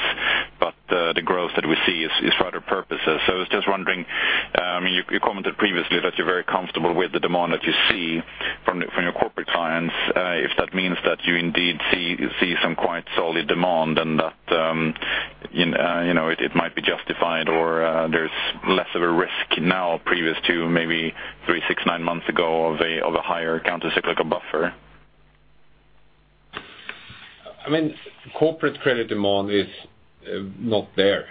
but the growth that we see is for other purposes. So I was just wondering, you commented previously that you're very comfortable with the demand that you see from your corporate clients, if that means that you indeed see some quite solid demand, and that, you know, it might be justified, or there's less of a risk now previous to maybe 3, 6, 9 months ago of a higher countercyclical buffer. I mean, corporate credit demand is not there.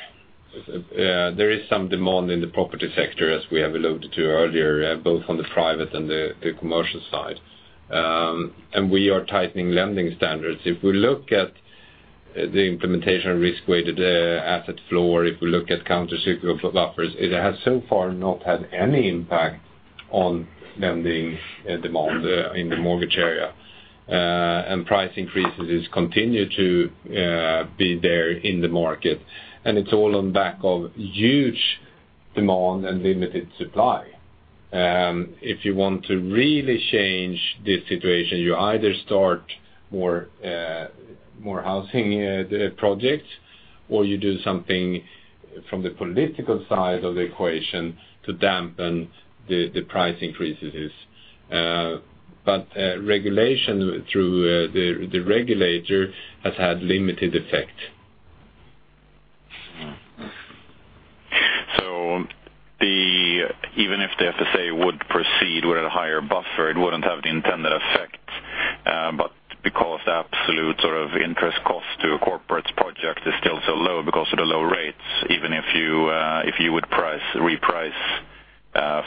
There is some demand in the property sector, as we have alluded to earlier, both on the private and the commercial side. And we are tightening lending standards. If we look at the implementation of risk-weighted asset floor, if we look at countercyclical buffers, it has so far not had any impact on lending demand in the mortgage area. And price increases continue to be there in the market, and it's all on back of huge demand and limited supply. If you want to really change this situation, you either start more housing projects, or you do something from the political side of the equation to dampen the price increases. But regulation through the regulator has had limited effect. Mm-hmm. So even if the FSA would proceed with a higher buffer, it wouldn't have the intended effect, but because the absolute sort of interest cost to a corporate project is still so low, because of the low rates, even if you if you would price, reprice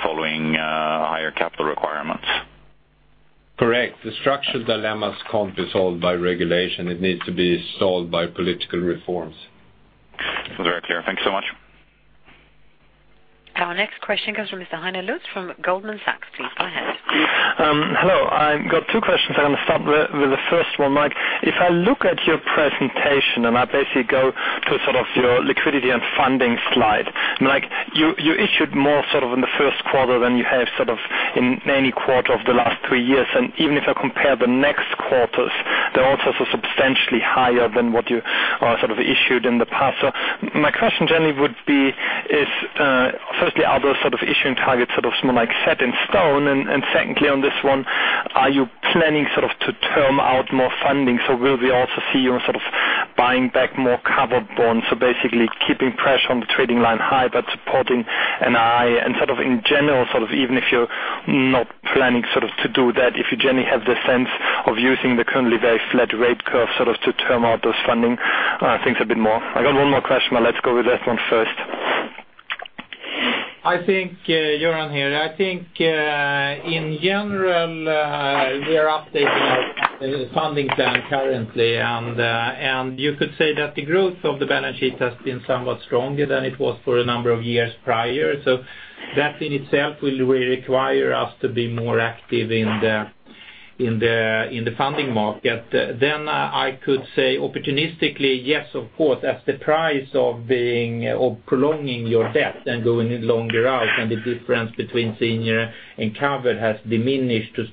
following higher capital requirements. Correct. The structured dilemmas can't be solved by regulation. It needs to be solved by political reforms. Very clear. Thank you so much. Our next question comes from Mr. Heiner Luz from Goldman Sachs. Please go ahead. Hello, I've got two questions. I'm going to start with the first one, Mike. If I look at your presentation, and I basically go to sort of your liquidity and funding slide, Mike, you issued more sort of in the first quarter than you have sort of in any quarter of the last three years. And even if I compare the next quarters, they're also substantially higher than what you sort of issued in the past. So my question generally would be is, firstly, are those sort of issuing targets sort of more like set in stone? And secondly, on this one, are you planning sort of to term out more funding? Will we also see you sort of buying back more covered bonds, so basically keeping pressure on the trading line high, but supporting an eye and sort of in general, sort of even if you're not planning sort of to do that, if you generally have the sense of using the currently very flat rate curve, sort of to term out those funding things a bit more? I got one more question, but let's go with that one first. I think, Göran here. I think, in general, we are updating our funding plan currently, and you could say that the growth of the balance sheet has been somewhat stronger than it was for a number of years prior. So that in itself will require us to be more active in the funding market. Then, I could say opportunistically, yes, of course, as the price of being, or prolonging your debt and going longer out, and the difference between senior and covered has diminished to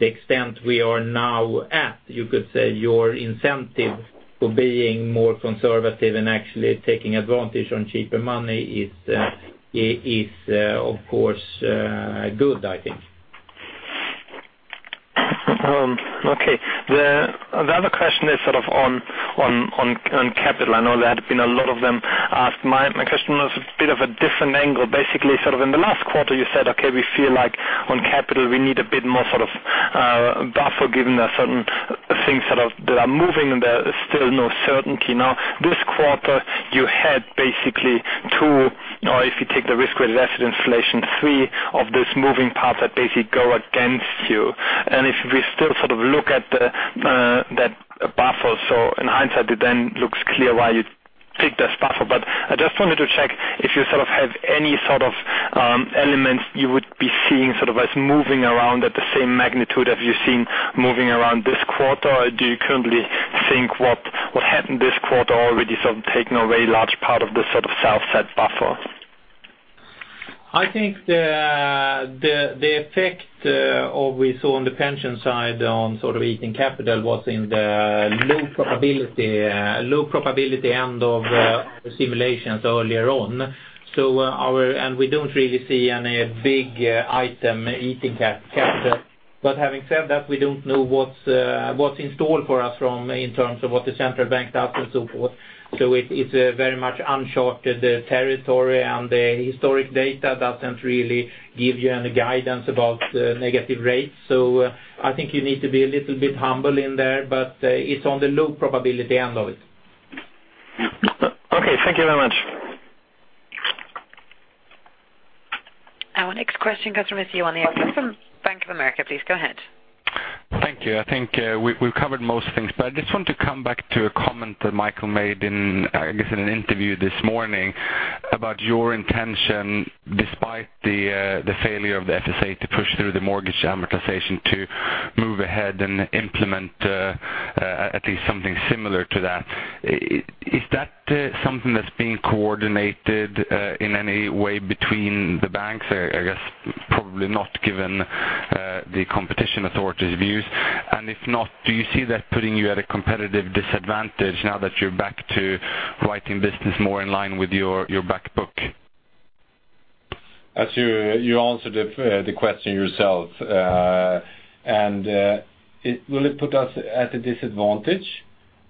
the extent we are now at, you could say your incentive for being more conservative and actually taking advantage on cheaper money is, of course, good, I think. ...Okay. The other question is sort of on capital. I know there had been a lot of them asked. My question was a bit of a different angle. Basically, sort of in the last quarter, you said, "Okay, we feel like on capital, we need a bit more sort of buffer, given that certain things sort of that are moving, and there is still no certainty." Now, this quarter, you had basically two, or if you take the risk-weighted assets inflation, three of these moving parts that basically go against you. And if we still sort of look at that buffer, so in hindsight, it then looks clear why you took this buffer. I just wanted to check if you sort of have any sort of elements you would be seeing sort of as moving around at the same magnitude as you've seen moving around this quarter, or do you currently think what happened this quarter already sort of taken a very large part of the sort of self-set buffer? I think the effect of we saw on the pension side on sort of eating capital was in the low probability end of the simulations earlier on. So, our and we don't really see any big item eating capital. But having said that, we don't know what's what's in store for us from in terms of what the central bank does and so forth. So it is a very much uncharted territory, and the historic data doesn't really give you any guidance about negative rates. So I think you need to be a little bit humble in there, but it's on the low probability end of it. Okay, thank you very much. Our next question comes from you on the line from Bank of America. Please, go ahead. Thank you. I think we’ve covered most things, but I just want to come back to a comment that Michael made in, I guess, in an interview this morning about your intention, despite the failure of the FSA to push through the mortgage amortization, to move ahead and implement at least something similar to that. Is that something that’s being coordinated in any way between the banks? I guess probably not, given the competition authority’s views. And if not, do you see that putting you at a competitive disadvantage now that you’re back to writing business more in line with your back book? As you answered the question yourself. And it will put us at a disadvantage?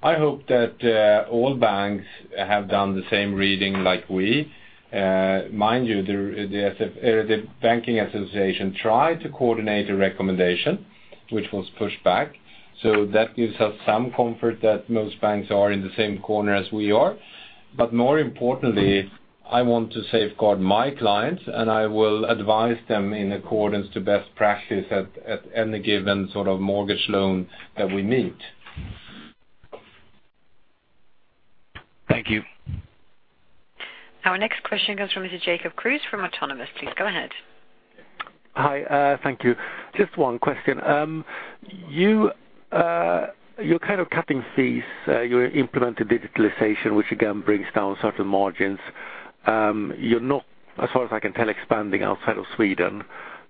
I hope that all banks have done the same reading like we. Mind you, the S, the banking association tried to coordinate a recommendation, which was pushed back. So that gives us some comfort that most banks are in the same corner as we are. But more importantly, I want to safeguard my clients, and I will advise them in accordance to best practice at any given sort of mortgage loan that we meet. Thank you. Our next question comes from Mr. Jacob Kruse from Autonomous. Please, go ahead. Hi, thank you. Just one question. You, you're kind of cutting fees. You're implementing digitalization, which again, brings down certain margins. You're not, as far as I can tell, expanding outside of Sweden.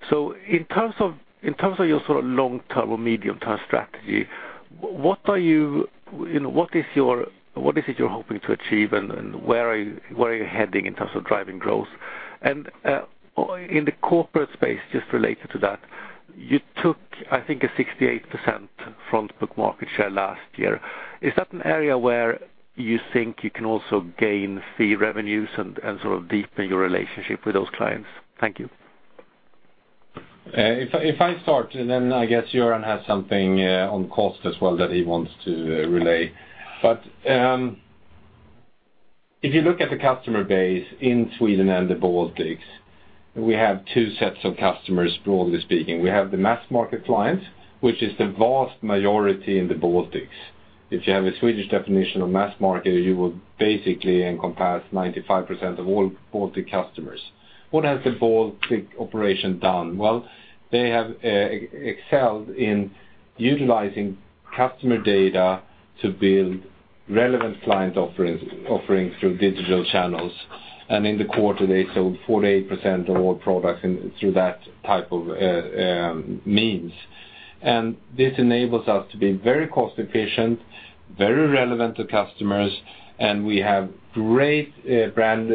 So in terms of, in terms of your sort of long-term or medium-term strategy, what are you... You know, what is your- what is it you're hoping to achieve, and, and where are you, where are you heading in terms of driving growth? And, in the corporate space, just related to that, you took, I think, a 68% front book market share last year. Is that an area where you think you can also gain fee revenues and, and sort of deepen your relationship with those clients? Thank you. If I start, and then I guess Göran has something on cost as well that he wants to relay. But if you look at the customer base in Sweden and the Baltics, we have two sets of customers, broadly speaking. We have the mass market clients, which is the vast majority in the Baltics. If you have a Swedish definition of mass market, you would basically encompass 95% of all Baltic customers. What has the Baltic operation done? Well, they have excelled in utilizing customer data to build relevant client offerings through digital channels. And in the quarter, they sold 48% of all products through that type of means. And this enables us to be very cost efficient, very relevant to customers, and we have great brand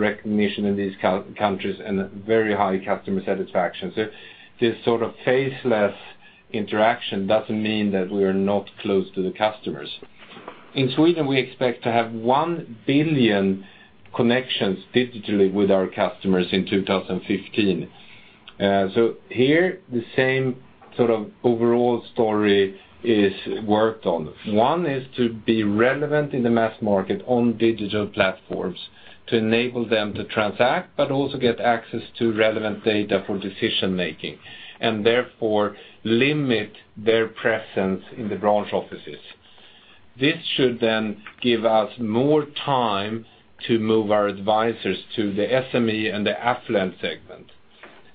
recognition in these countries and very high customer satisfaction. So this sort of faceless interaction doesn't mean that we are not close to the customers. In Sweden, we expect to have 1 billion connections digitally with our customers in 2015. So here, the same sort of overall story is worked on. One is to be relevant in the mass market on digital platforms, to enable them to transact, but also get access to relevant data for decision making, and therefore, limit their presence in the branch offices. This should then give us more time to move our advisors to the SME and the affluent segment.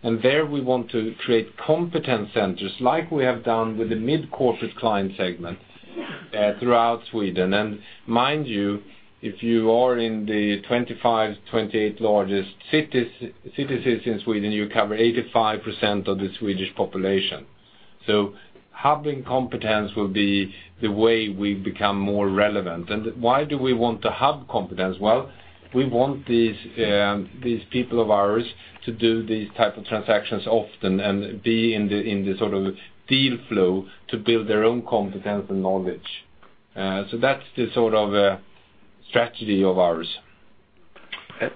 And there, we want to create competence centers, like we have done with the mid-corporate client segment, throughout Sweden. And mind you, if you are in the 25-28 largest cities, cities in Sweden, you cover 85% of the Swedish population. Hubbing competence will be the way we become more relevant. Why do we want to hub competence? Well, we want these, these people of ours to do these type of transactions often and be in the, in the sort of deal flow to build their own competence and knowledge. So that's the sort of strategy of ours.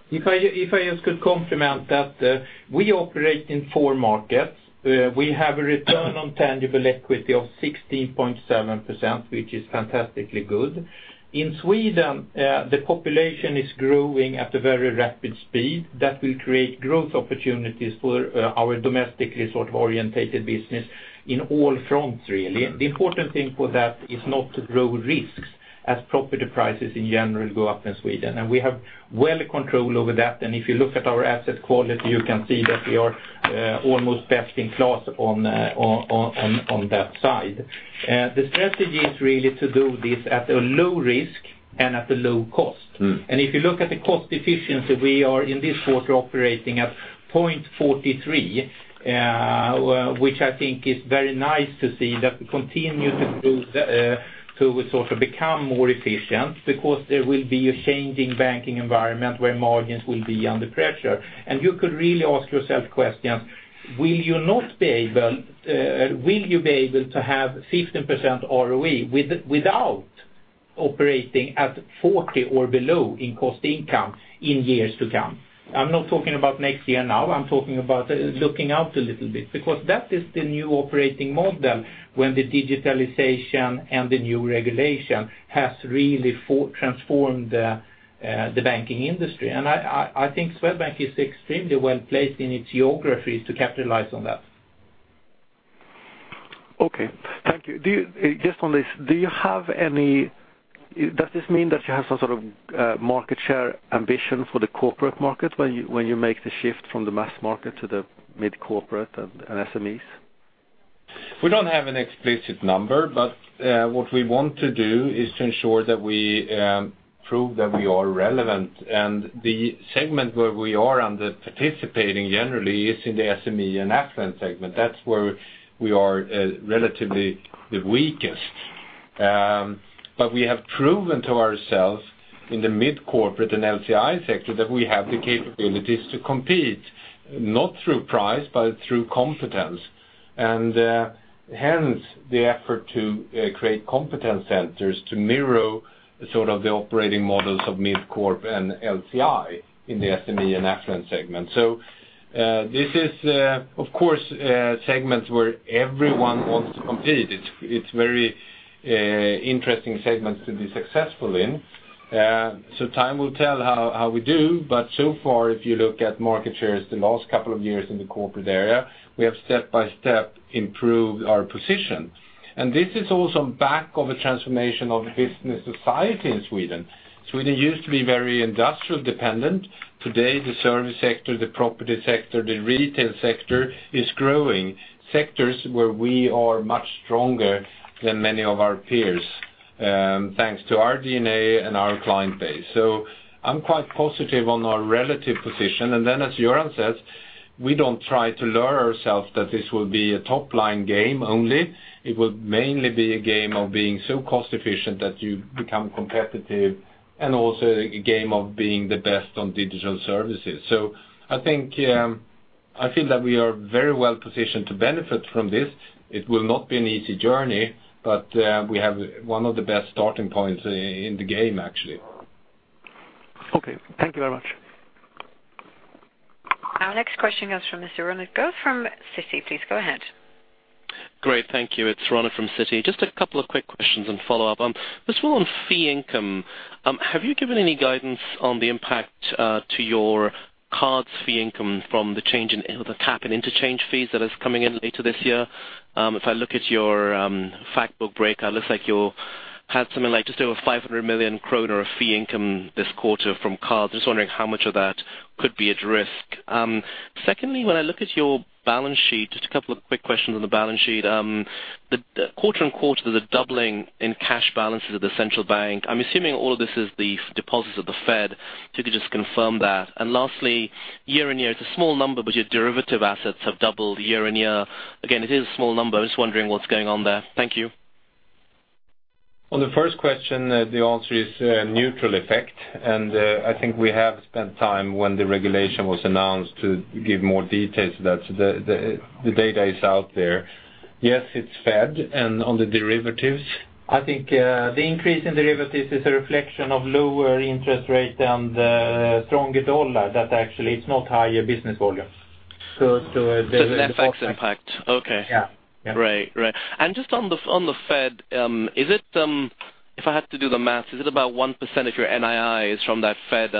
If I just could complement that, we operate in four markets. We have a return on tangible equity of 16.7%, which is fantastically good. In Sweden, the population is growing at a very rapid speed. That will create growth opportunities for our domestically sort of orientated business in all fronts, really. The important thing for that is not to grow risks as property prices in general go up in Sweden, and we have well control over that. And if you look at our asset quality, you can see that we are almost best in class on that side. The strategy is really to do this at a low risk and at a low cost. Mm. If you look at the cost efficiency, we are in this quarter operating at 0.43, which I think is very nice to see that we continue to grow, to sort of become more efficient because there will be a changing banking environment where margins will be under pressure. And you could really ask yourself questions, will you not be able, will you be able to have 15% ROE without operating at 40 or below in cost income in years to come? I'm not talking about next year now, I'm talking about looking out a little bit, because that is the new operating model when the digitalization and the new regulation has really transformed the banking industry. I think Swedbank is extremely well placed in its geographies to capitalize on that. Okay, thank you. Do you, just on this, do you have any... Does this mean that you have some sort of market share ambition for the corporate market when you, when you make the shift from the mass market to the mid-corporate and, and SMEs? We don't have an explicit number, but what we want to do is to ensure that we prove that we are relevant. The segment where we are under participating generally is in the SME and affluent segment. That's where we are relatively the weakest. We have proven to ourselves in the mid-corporate and LCI sector that we have the capabilities to compete, not through price, but through competence. Hence, the effort to create competence centers to mirror the sort of operating models of mid-corp and LCI in the SME and affluent segment. This is, of course, segments where everyone wants to compete. It's very interesting segments to be successful in. So time will tell how we do, but so far, if you look at market shares, the last couple of years in the corporate area, we have step-by-step improved our position. This is also back of a transformation of business society in Sweden. Sweden used to be very industrially dependent. Today, the service sector, the property sector, the retail sector is growing. Sectors where we are much stronger than many of our peers, thanks to our DNA and our client base. So I'm quite positive on our relative position. And then, as Göran says, we don't try to lure ourselves that this will be a top-line game only. It will mainly be a game of being so cost efficient that you become competitive, and also a game of being the best on digital services. I think I feel that we are very well positioned to benefit from this. It will not be an easy journey, but we have one of the best starting points in the game, actually. Okay, thank you very much. Our next question comes from Mr. Ronak Ghosh from Citi. Please go ahead. Great, thank you. It's Ronak from Citi. Just a couple of quick questions and follow up. First of all, on fee income, have you given any guidance on the impact to your cards fee income from the change in the cap and interchange fees that is coming in later this year? If I look at your fact book breakout, it looks like you had something like just over 500 million kronor of fee income this quarter from cards. Just wondering how much of that could be at risk. Secondly, when I look at your balance sheet, just a couple of quick questions on the balance sheet. Quarter-over-quarter, there's a doubling in cash balances at the central bank. I'm assuming all of this is the deposits of the Fed. If you could just confirm that. And lastly, year-on-year, it's a small number, but your derivative assets have doubled year-on-year. Again, it is a small number. I'm just wondering what's going on there. Thank you. On the first question, the answer is a neutral effect, and I think we have spent time when the regulation was announced to give more details that the data is out there. Yes, it's Fed, and on the derivatives? I think, the increase in derivatives is a reflection of lower interest rate and, stronger dollar, that actually it's not higher business volumes. So, An FX impact. Okay. Yeah. Great. Great. And just on the Fed, is it... If I had to do the math, is it about 1% of your NII is from that Fed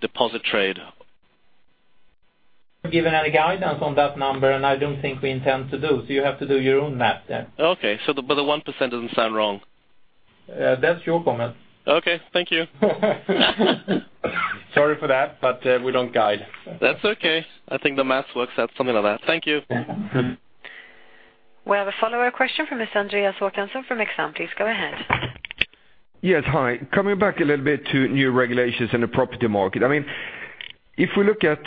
deposit trade? Give any guidance on that number, and I don't think we intend to do so, so you have to do your own math then. Okay. But the 1% doesn't sound wrong? That's your comment. Okay, thank you. Sorry for that, but we don't guide. That's okay. I think the math works out something like that. Thank you. We have a follow-up question from Mr. Andreas Håkansson from Exane. Please go ahead.... Yes, hi. Coming back a little bit to new regulations in the property market. I mean, if we look at,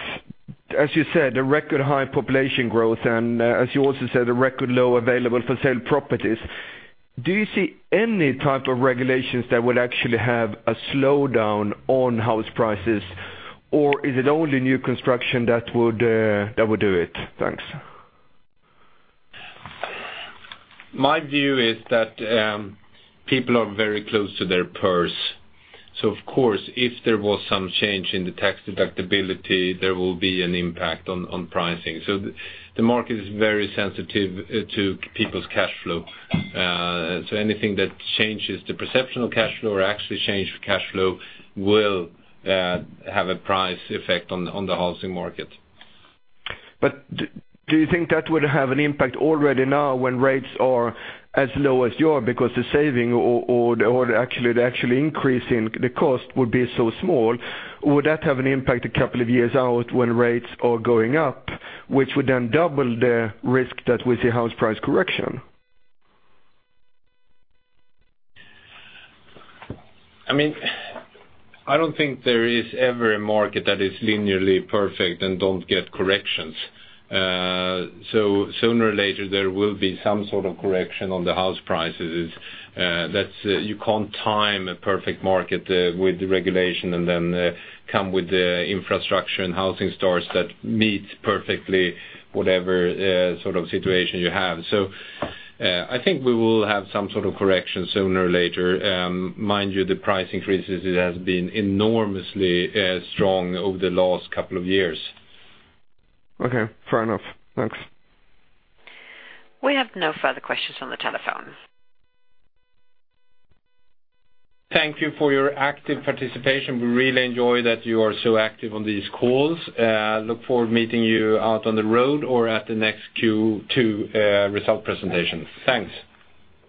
as you said, the record high population growth, and, as you also said, the record low available for sale properties, do you see any type of regulations that will actually have a slowdown on house prices? Or is it only new construction that would, that would do it? Thanks. My view is that people are very close to their purse. So of course, if there was some change in the tax deductibility, there will be an impact on pricing. So the market is very sensitive to people's cash flow. So anything that changes the perception of cash flow or actually change cash flow will have a price effect on the housing market. But do you think that would have an impact already now when rates are as low as your, because the saving or actually, the actual increase in the cost would be so small? Would that have an impact a couple of years out when rates are going up, which would then double the risk that we see house price correction? I mean, I don't think there is ever a market that is linearly perfect and don't get corrections. So sooner or later, there will be some sort of correction on the house prices. That's, you can't time a perfect market with the regulation and then come with the infrastructure and housing starts that meets perfectly whatever sort of situation you have. So I think we will have some sort of correction sooner or later. Mind you, the price increases; it has been enormously strong over the last couple of years. Okay, fair enough. Thanks. We have no further questions on the telephone. Thank you for your active participation. We really enjoy that you are so active on these calls. Look forward to meeting you out on the road or at the next Q2 result presentation. Thanks!